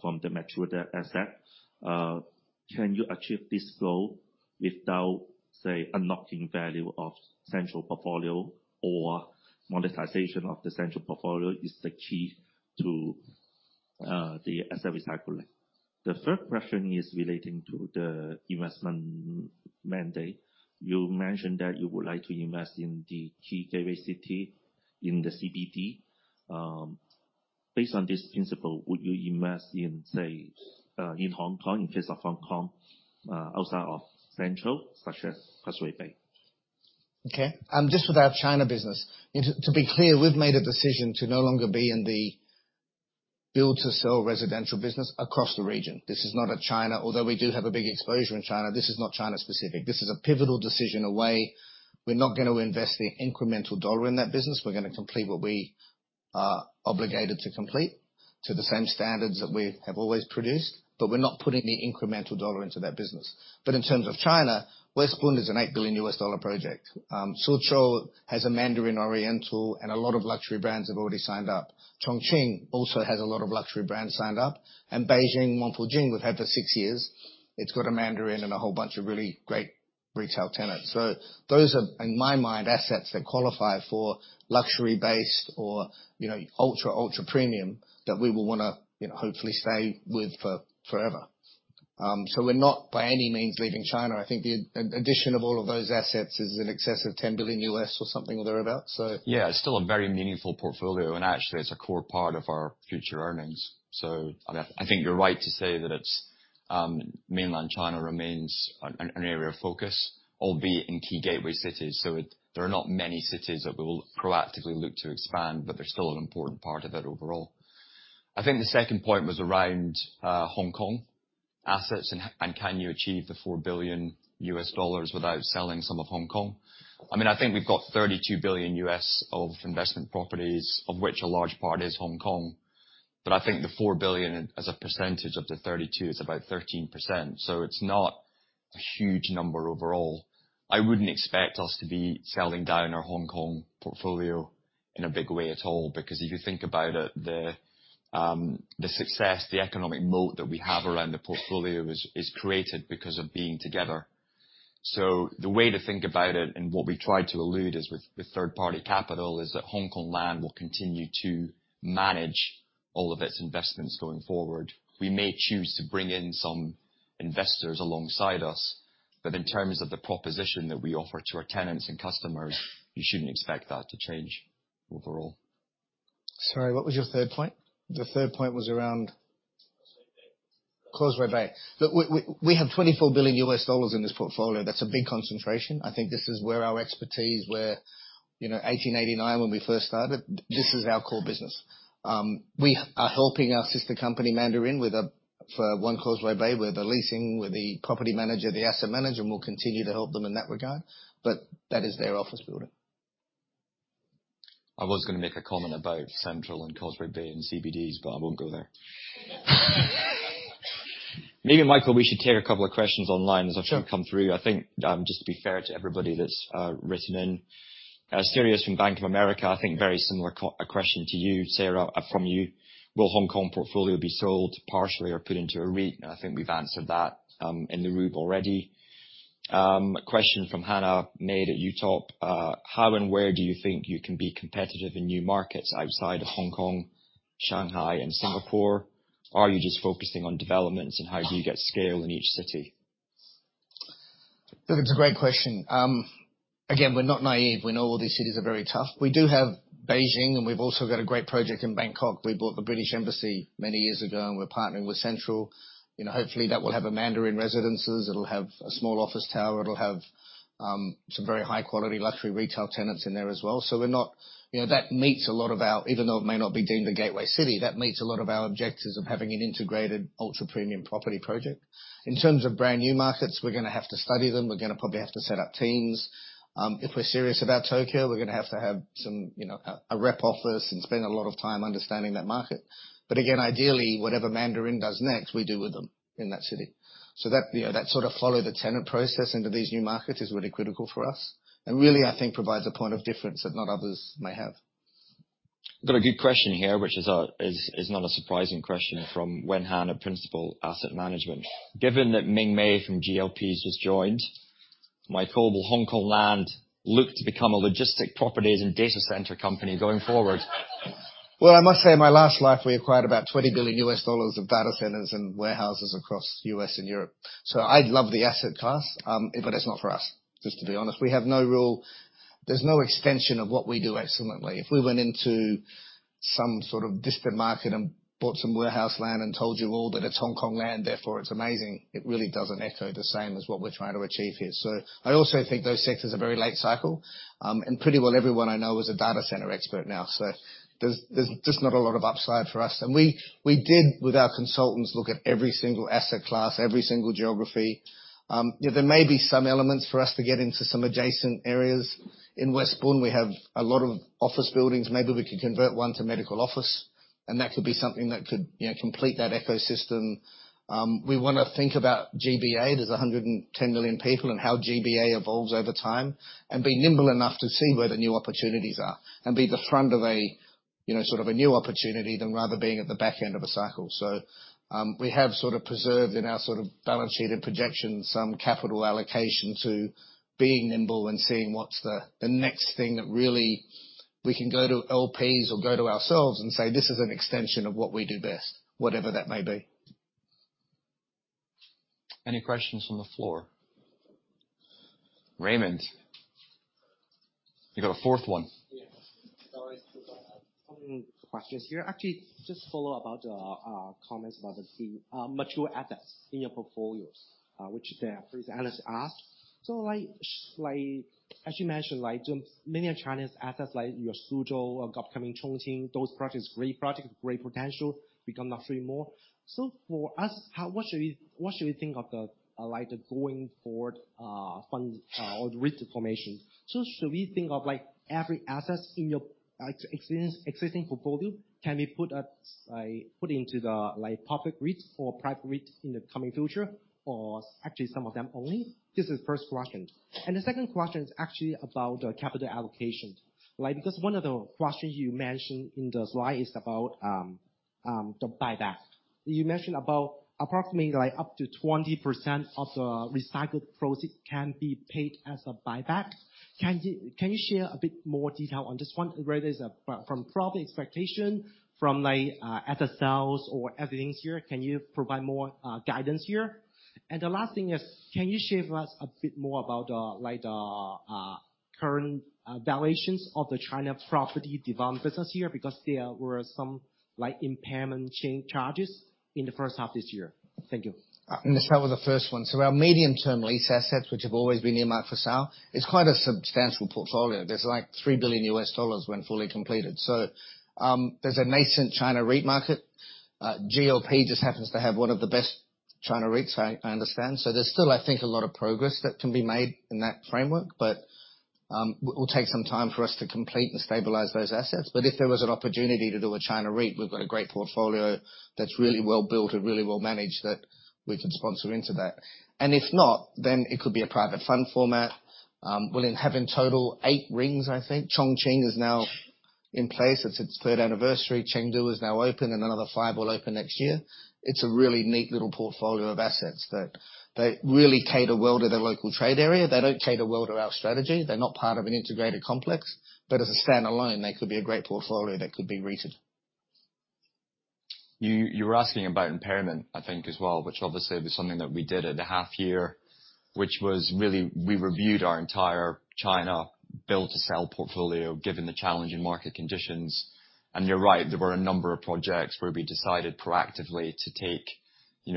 from the mature asset? Can you achieve this goal without, say, unlocking value of Central portfolio or monetization of the Central portfolio is the key to the asset recycle. The third question is relating to the investment mandate. You mentioned that you would like to invest in the key gateway city in the CBD. Based on this principle, would you invest in, say, in Hong Kong, in case of Hong Kong, outside of Central such as Causeway Bay? Just with our China business. To be clear, we've made a decision to no longer be in the build-to-sell residential business across the region. This is not a China. Although we do have a big exposure in China, this is not China specific. This is a pivotal decision away. We're not going to invest an incremental dollar in that business. We're going to complete what we are obligated to complete to the same standards that we have always produced, but we're not putting any incremental dollar into that business. In terms of China, West Bund is an $8 billion U.S. dollar project. Suzhou has a Mandarin Oriental and a lot of luxury brands have already signed up. Chongqing also has a lot of luxury brands signed up, and Beijing, Wangfujing we've had for six years. It's got a Mandarin and a whole bunch of really great retail tenants. Those are, in my mind, assets that qualify for luxury-based or ultra premium that we will want to hopefully stay with for forever. We're not by any means leaving China. I think the addition of all of those assets is in excess of $10 billion U.S. or something or thereabout. It's still a very meaningful portfolio, actually it's a core part of our future earnings. I think you're right to say that mainland China remains an area of focus, albeit in key gateway cities. There are not many cities that we will proactively look to expand, but they're still an important part of it overall. I think the second point was around Hong Kong assets and can you achieve the $4 billion without selling some of Hong Kong. I think we've got $32 billion of investment properties, of which a large part is Hong Kong. I think the $4 billion as a percentage of the $32 billion is about 13%. It's not a huge number overall. I wouldn't expect us to be selling down our Hong Kong portfolio in a big way at all because if you think about it, the success, the economic moat that we have around the portfolio is created because of being together. The way to think about it and what we tried to allude is with third-party capital, is that Hongkong Land will continue to manage all of its investments going forward. We may choose to bring in some investors alongside us, but in terms of the proposition that we offer to our tenants and customers, you shouldn't expect that to change overall. Sorry, what was your third point? The third point was around- Causeway Bay Causeway Bay. Look, we have $24 billion in this portfolio. That's a big concentration. I think this is where our expertise, where, 1889 when we first started, this is our core business. We are helping our sister company, Mandarin, with One Causeway Bay. We're the leasing, we're the property manager, the asset manager, and we'll continue to help them in that regard. That is their office building. I was going to make a comment about Central and Causeway Bay and CBDs. I won't go there. Maybe, Michael, we should take a couple of questions online as a few have come through. I think, just to be fair to everybody that's written in. Sirius from Bank of America, I think very similar question to you, Sarah, from you. Will Hong Kong portfolio be sold partially or put into a REIT? I think we've answered that in the rube already. A question from Hannah made at UTOP. How and where do you think you can be competitive in new markets outside of Hong Kong, Shanghai, and Singapore? Are you just focusing on developments? How do you get scale in each city? It's a great question. Again, we're not naive. We know all these cities are very tough. We do have Beijing, and we've also got a great project in Bangkok. We bought the British Embassy many years ago, and we're partnering with Central. Hopefully, that will have a Mandarin residences, it'll have a small office tower, it'll have some very high-quality luxury retail tenants in there as well. Even though it may not be deemed a gateway city, that meets a lot of our objectives of having an integrated ultra-premium property project. In terms of brand-new markets, we're going to have to study them. We're going to probably have to set up teams. If we're serious about Tokyo, we're going to have to have a rep office and spend a lot of time understanding that market. Again, ideally, whatever Mandarin does next, we do with them in that city. That sort of follow the tenant process into these new markets is really critical for us and really, I think, provides a point of difference that not others may have. Got a good question here, which is not a surprising question from Wen Han at Principal Asset Management. Given that Ming Mei from GLP has just joined, Michael, will Hongkong Land look to become a logistic properties and data center company going forward? I must say, in my last life, we acquired about $20 billion of data centers and warehouses across U.S. and Europe. I love the asset class, but it's not for us, just to be honest. There's no extension of what we do excellently. If we went into some sort of distant market and bought some warehouse land and told you all that it's Hongkong Land, therefore it's amazing, it really doesn't echo the same as what we're trying to achieve here. I also think those sectors are very late cycle, and pretty well everyone I know is a data center expert now. There's just not a lot of upside for us. We did, with our consultants, look at every single asset class, every single geography. There may be some elements for us to get into some adjacent areas. In West Bund, we have a lot of office buildings. Maybe we could convert one to medical office, and that could be something that could complete that ecosystem. We want to think about GBA, there's 110 million people, and how GBA evolves over time and be nimble enough to see where the new opportunities are and be the front of a sort of a new opportunity than rather being at the back end of a cycle. We have sort of preserved in our sort of balance sheet and projection, some capital allocation to being nimble and seeing what's the next thing that really we can go to LPs or go to ourselves and say, "This is an extension of what we do best," whatever that may be. Any questions from the floor? Raymond, you got a fourth one. Yeah. Sorry. Two questions here. Actually, just follow about the comments about the mature assets in your portfolios, which the previous analyst asked. Like, as you mentioned, many of China's assets, like your Suzhou, upcoming Chongqing, those projects, great projects, great potential. We can't knock three more. For us, what should we think of the going forward funds or REIT formation? Should we think of every asset in your existing portfolio, can we put into the public REITs or private REITs in the coming future, or actually some of them only? This is first question. The second question is actually about the capital allocation. Because one of the questions you mentioned in the slide is about the buyback. You mentioned about approximately up to 20% of the recycled proceeds can be paid as a buyback. Can you share a bit more detail on this one, whether it's from profit expectation, from asset sales or everything here, can you provide more guidance here? The last thing is, can you share with us a bit more about the current valuations of the China property development business here? Because there were some impairment change charges in the first half this year. Thank you. Let's start with the first one. Our medium-term lease assets, which have always been earmarked for sale, it's quite a substantial portfolio. There's like $3 billion when fully completed. There's a nascent China REIT market. GLP just happens to have one of the best China REITs, I understand. There's still, I think, a lot of progress that can be made in that framework. It will take some time for us to complete and stabilize those assets. If there was an opportunity to do a China REIT, we've got a great portfolio that's really well-built and really well managed that we could sponsor into that. If not, then it could be a private fund format. We have in total 8 REITs, I think. Chongqing is now in place. It's its third anniversary. Chengdu is now open, another five will open next year. It's a really neat little portfolio of assets that really cater well to their local trade area. They don't cater well to our strategy. They're not part of an integrated complex, but as a standalone, they could be a great portfolio that could be REITed. You were asking about impairment, I think, as well, which obviously was something that we did at the half year, which was really we reviewed our entire China build-to-sell portfolio given the challenging market conditions. You're right, there were a number of projects where we decided proactively to take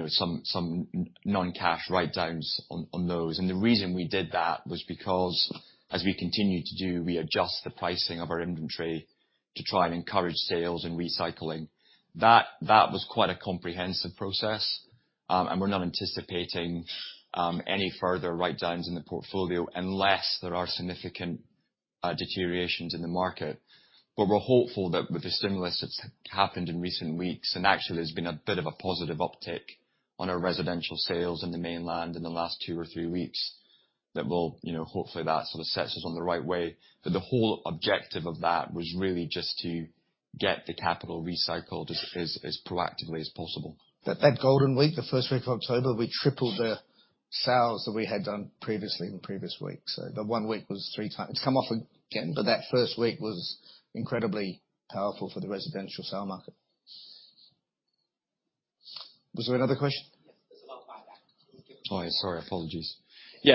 some non-cash write-downs on those. The reason we did that was because as we continue to do, we adjust the pricing of our inventory to try and encourage sales and recycling. That was quite a comprehensive process, and we're not anticipating any further write-downs in the portfolio unless there are significant deteriorations in the market. We're hopeful that with the stimulus that's happened in recent weeks, and actually there's been a bit of a positive uptick on our residential sales in the Mainland in the last two or three weeks, that hopefully that sort of sets us on the right way. The whole objective of that was really just to get the capital recycled as proactively as possible. That Golden Week, the first week of October, we tripled the sales that we had done previously in the previous week. The one week was three times. It's come off again, but that first week was incredibly powerful for the residential sale market. Was there another question? Yes. It was about buyback. Sorry, apologies. We've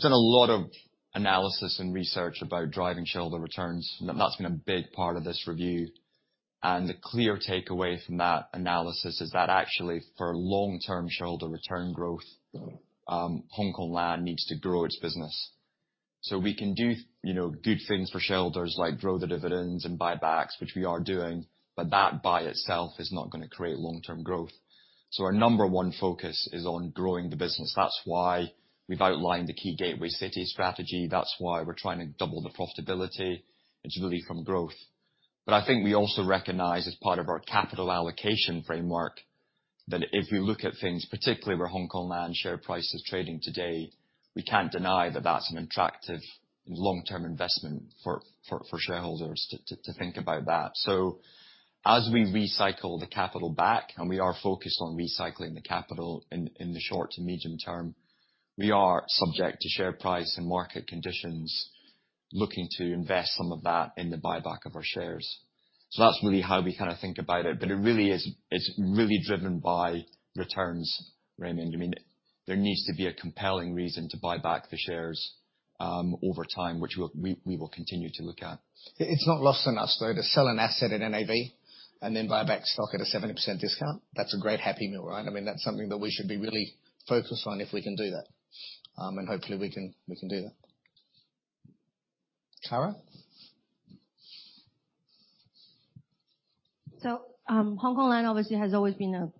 done a lot of analysis and research about driving shareholder returns. That's been a big part of this review. The clear takeaway from that analysis is that actually, for long-term shareholder return growth, Hongkong Land needs to grow its business. We can do good things for shareholders, like grow the dividends and buybacks, which we are doing, but that by itself is not going to create long-term growth. Our number one focus is on growing the business. That's why we've outlined the key gateway city strategy. That's why we're trying to double the profitability. It's really from growth. I think we also recognize as part of our capital allocation framework, that if we look at things, particularly where Hongkong Land share price is trading today, we can't deny that that's an attractive long-term investment for shareholders to think about that. As we recycle the capital back, we are focused on recycling the capital in the short to medium term, we are subject to share price and market conditions, looking to invest some of that in the buyback of our shares. That's really how we kind of think about it, but it's really driven by returns, Raymond. There needs to be a compelling reason to buy back the shares over time, which we will continue to look at. It's not lost on us, though, to sell an asset at NAV and then buy back stock at a 70% discount. That's a great Happy Meal, right? That's something that we should be really focused on if we can do that. Hopefully we can do that. Kara? Hongkong Land obviously has always been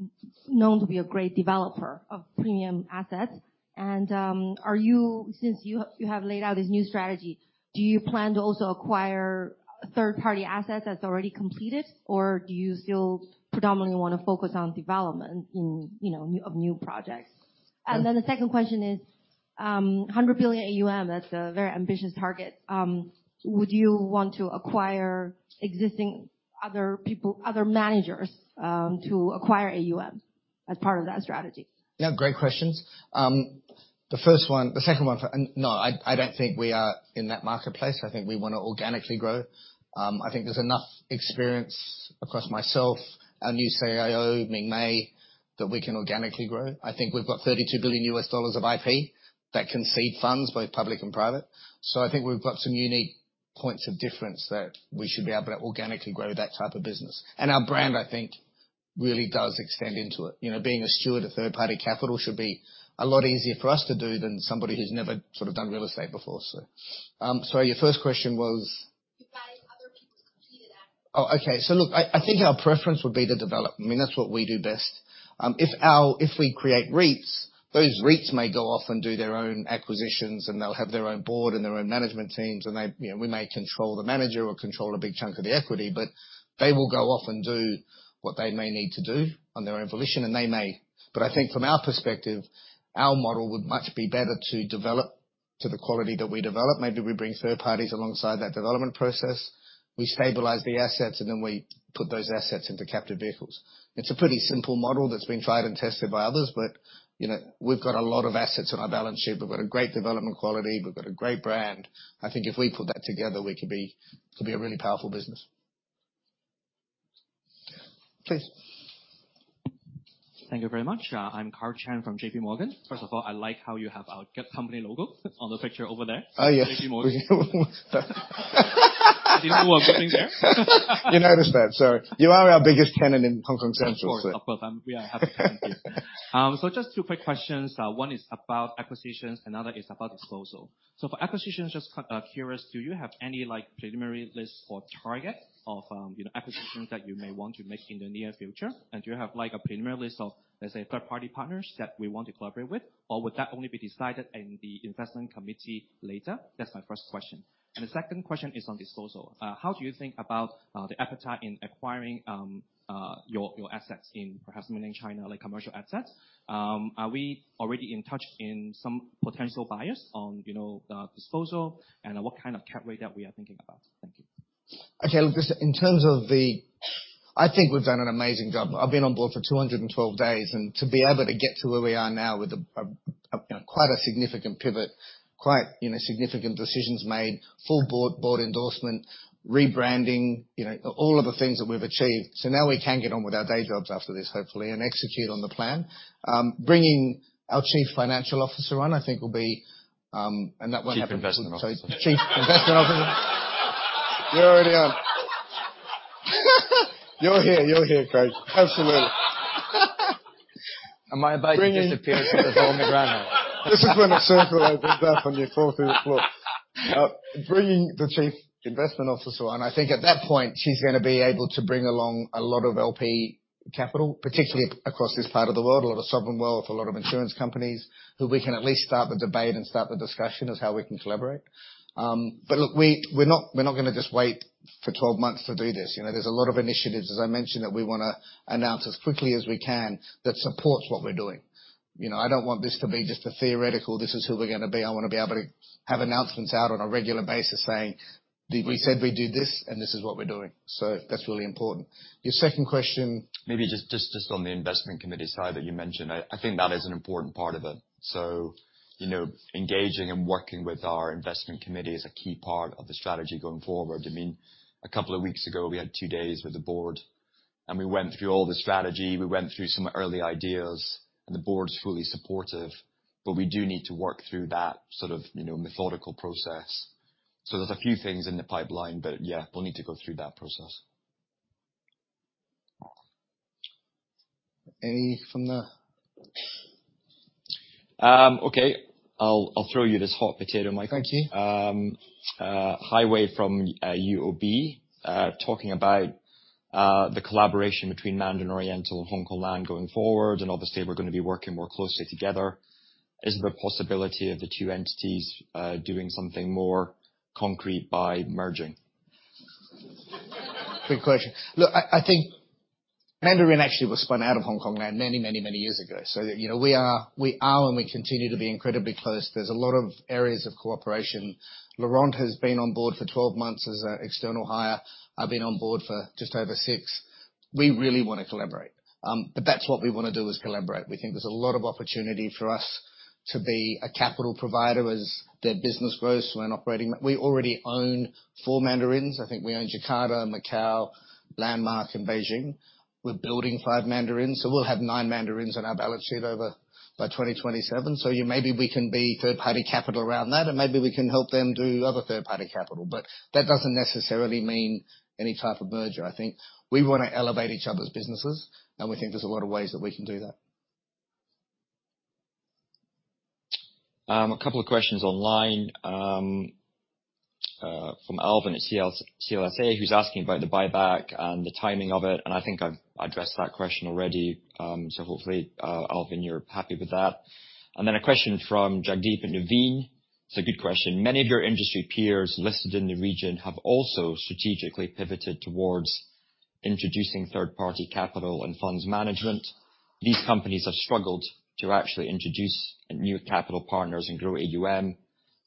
known to be a great developer of premium assets. Since you have laid out this new strategy, do you plan to also acquire third-party assets that's already completed, or do you still predominantly want to focus on development of new projects? The second question is, $100 billion AUM, that's a very ambitious target. Would you want to acquire existing other managers to acquire AUM as part of that strategy? Yeah, great questions. The second one, no, I don't think we are in that marketplace. I think we want to organically grow. I think there's enough experience across myself, our new CIO, Ming Mei That we can organically grow. I think we've got $32 billion of IP that can seed funds, both public and private. I think we've got some unique points of difference that we should be able to organically grow that type of business. Our brand, I think, really does extend into it. Being a steward of third-party capital should be a lot easier for us to do than somebody who's never sort of done real estate before. Sorry, your first question was? You buying other people's completed assets. Oh, okay. Look, I think our preference would be to develop. I mean, that's what we do best. If we create REITs, those REITs may go off and do their own acquisitions, and they'll have their own board and their own management teams, and we may control the manager or control a big chunk of the equity. They will go off and do what they may need to do on their own volition, and they may. I think from our perspective, our model would much be better to develop to the quality that we develop. Maybe we bring third parties alongside that development process. We stabilize the assets, and then we put those assets into captive vehicles. It's a pretty simple model that's been tried and tested by others. We've got a lot of assets on our balance sheet. We've got a great development quality. We've got a great brand. I think if we put that together, we could be a really powerful business. Please. Thank you very much. I'm Carl Chan from JPMorgan. First of all, I like how you have our company logo on the picture over there. Oh, yes. JPMorgan. I didn't know it was sitting there. You noticed that. You are our biggest tenant in Hong Kong Central. Of course, we have a tenant there. Just two quick questions. One is about acquisitions, another is about disposal. For acquisitions, just curious, do you have any preliminary list or target of acquisitions that you may want to make in the near future? Do you have a preliminary list of, let's say, third-party partners that we want to collaborate with? Would that only be decided in the investment committee later? That's my first question. The second question is on disposal. How do you think about the appetite in acquiring your assets in perhaps mainland China, like commercial assets? Are we already in touch in some potential buyers on the disposal? And what kind of cap rate that we are thinking about? Thank you. Okay. Look, I think we've done an amazing job. I've been on board for 212 days, to be able to get to where we are now with quite a significant pivot, quite significant decisions made, full board endorsement, rebranding, all of the things that we've achieved. Now we can get on with our day jobs after this, hopefully, and execute on the plan. Bringing our chief financial officer on, I think, will be, and that won't happen- Chief Investment Officer. Chief Investment Officer. You're already on. You're here, Craig. Absolutely. My body disappears from the ground. This is when the circle opens up, you fall through the floor. Bringing the Chief Investment Officer on, I think at that point, she's going to be able to bring along a lot of LP capital, particularly across this part of the world, a lot of sovereign wealth, a lot of insurance companies, who we can at least start the debate and start the discussion of how we can collaborate. Look, we're not going to just wait for 12 months to do this. There's a lot of initiatives, as I mentioned, that we want to announce as quickly as we can that supports what we're doing. I don't want this to be just a theoretical, this is who we're going to be. I want to be able to have announcements out on a regular basis saying, "We said we'd do this, and this is what we're doing." That's really important. Your second question. Maybe just on the investment committee side that you mentioned, I think that is an important part of it. Engaging and working with our investment committee is a key part of the strategy going forward. I mean, a couple of weeks ago, we had two days with the board, we went through all the strategy, we went through some early ideas, the board's fully supportive. We do need to work through that sort of methodical process. There's a few things in the pipeline, but yeah, we'll need to go through that process. Any from the Okay. I'll throw you this hot potato, Mike. Thank you. Highway from UOB. Talking about the collaboration between Mandarin Oriental and Hongkong Land going forward, obviously, we're going to be working more closely together. Is there a possibility of the two entities doing something more concrete by merging? Good question. Look, I think Mandarin actually was spun out of Hongkong Land many years ago. We are and we continue to be incredibly close. There's a lot of areas of cooperation. Laurent has been on board for 12 months as an external hire. I've been on board for just over six. We really want to collaborate. That's what we want to do, is collaborate. We think there's a lot of opportunity for us to be a capital provider as their business grows. We already own four Mandarins. I think we own Jakarta, Macau, Landmark, and Beijing. We're building five Mandarins, so we'll have nine Mandarins on our balance sheet over by 2027. Maybe we can be third-party capital around that, and maybe we can help them do other third-party capital. That doesn't necessarily mean any type of merger. I think we want to elevate each other's businesses, we think there's a lot of ways that we can do that. A couple of questions online from Alvin at CLSA, who's asking about the buyback and the timing of it, I think I've addressed that question already. Hopefully, Alvin, you're happy with that. Then a question from Jagdeep and Naveen. It's a good question. Many of your industry peers listed in the region have also strategically pivoted towards introducing third-party capital and funds management. These companies have struggled to actually introduce new capital partners and grow AUM,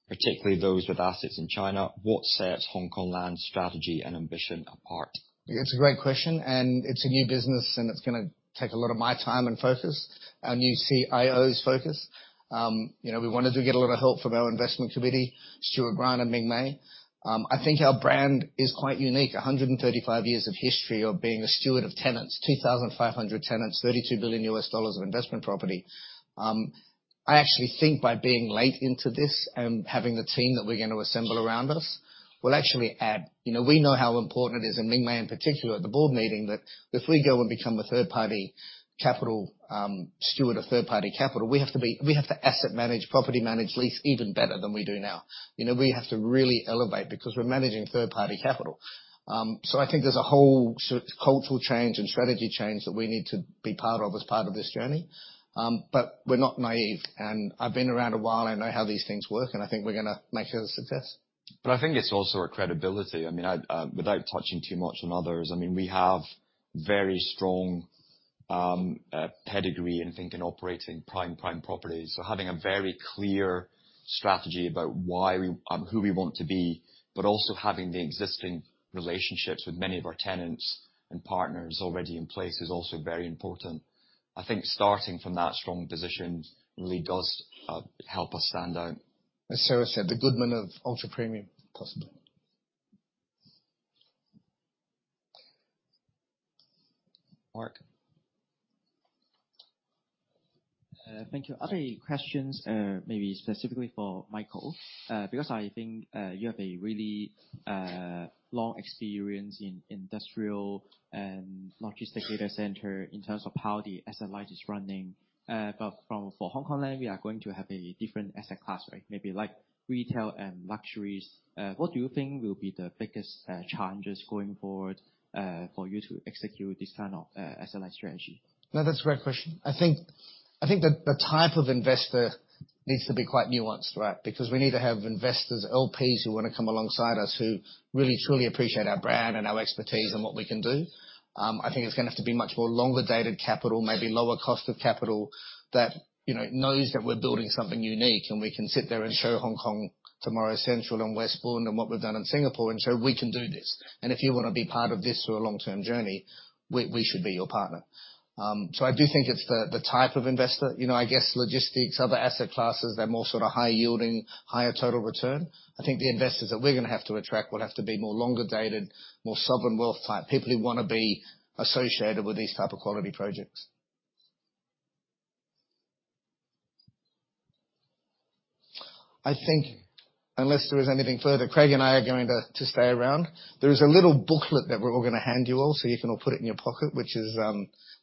particularly those with assets in China. What sets Hongkong Land's strategy and ambition apart? It's a great question, it's a new business, it's going to take a lot of my time and focus Our new CIO's focus. We wanted to get a lot of help from our investment committee, Stuart Grant and Ming Mei. I think our brand is quite unique. 135 years of history of being a steward of tenants, 2,500 tenants, $32 billion of investment property. I actually think by being late into this having the team that we're going to assemble around us, we'll actually add. We know how important it is, Ming Mei in particular at the board meeting, that if we go and become a steward of third-party capital, we have to asset manage, property manage lease even better than we do now. We have to really elevate because we're managing third-party capital. I think there's a whole cultural change and strategy change that we need to be part of as part of this journey. We're not naive, I've been around a while I know how these things work, I think we're going to make it a success. I think it's also our credibility. Without touching too much on others, we have very strong pedigree in think and operating prime properties. Having a very clear strategy about who we want to be, but also having the existing relationships with many of our tenants and partners already in place is also very important. I think starting from that strong position really does help us stand out. As Sarah said, the Goodman of ultra-premium, possibly. Mark. Thank you. I have a question, maybe specifically for Michael. I think you have a really long experience in industrial and logistic data center in terms of how the asset light is running. For Hongkong Land, we are going to have a different asset class, right? Maybe like retail and luxuries. What do you think will be the biggest challenges going forward for you to execute this kind of asset light strategy? No, that's a great question. I think the type of investor needs to be quite nuanced, right? We need to have investors, LPs, who want to come alongside us who really truly appreciate our brand and our expertise and what we can do. I think it's going to have to be much more longer-dated capital, maybe lower cost of capital that knows that we're building something unique, and we can sit there and show Hongkong Tomorrow's CENTRAL and West Bund and what we've done in Singapore, and show we can do this. If you want to be part of this for a long-term journey, we should be your partner. I do think it's the type of investor. I guess logistics, other asset classes, they're more sort of higher yielding, higher total return. I think the investors that we're going to have to attract will have to be more longer-dated, more sovereign wealth type people who want to be associated with these type of quality projects. I think unless there is anything further, Craig and I are going to stay around. There is a little booklet that we're all going to hand you all, so you can all put it in your pocket, which is.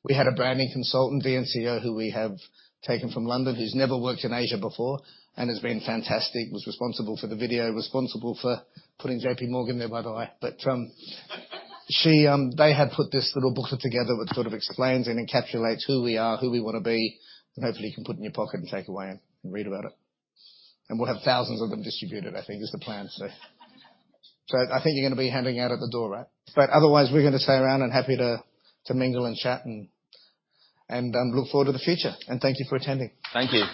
We had a branding consultant, VNCO, who we have taken from London who's never worked in Asia before and has been fantastic. Was responsible for the video, responsible for putting JPMorgan there by the eye. They had put this little booklet together which sort of explains and encapsulates who we are, who we want to be, and hopefully you can put in your pocket and take away and read about it. We'll have thousands of them distributed, I think is the plan. I think you're going to be handing out at the door, right? Otherwise, we're going to stay around and happy to mingle and chat and look forward to the future. Thank you for attending. Thank you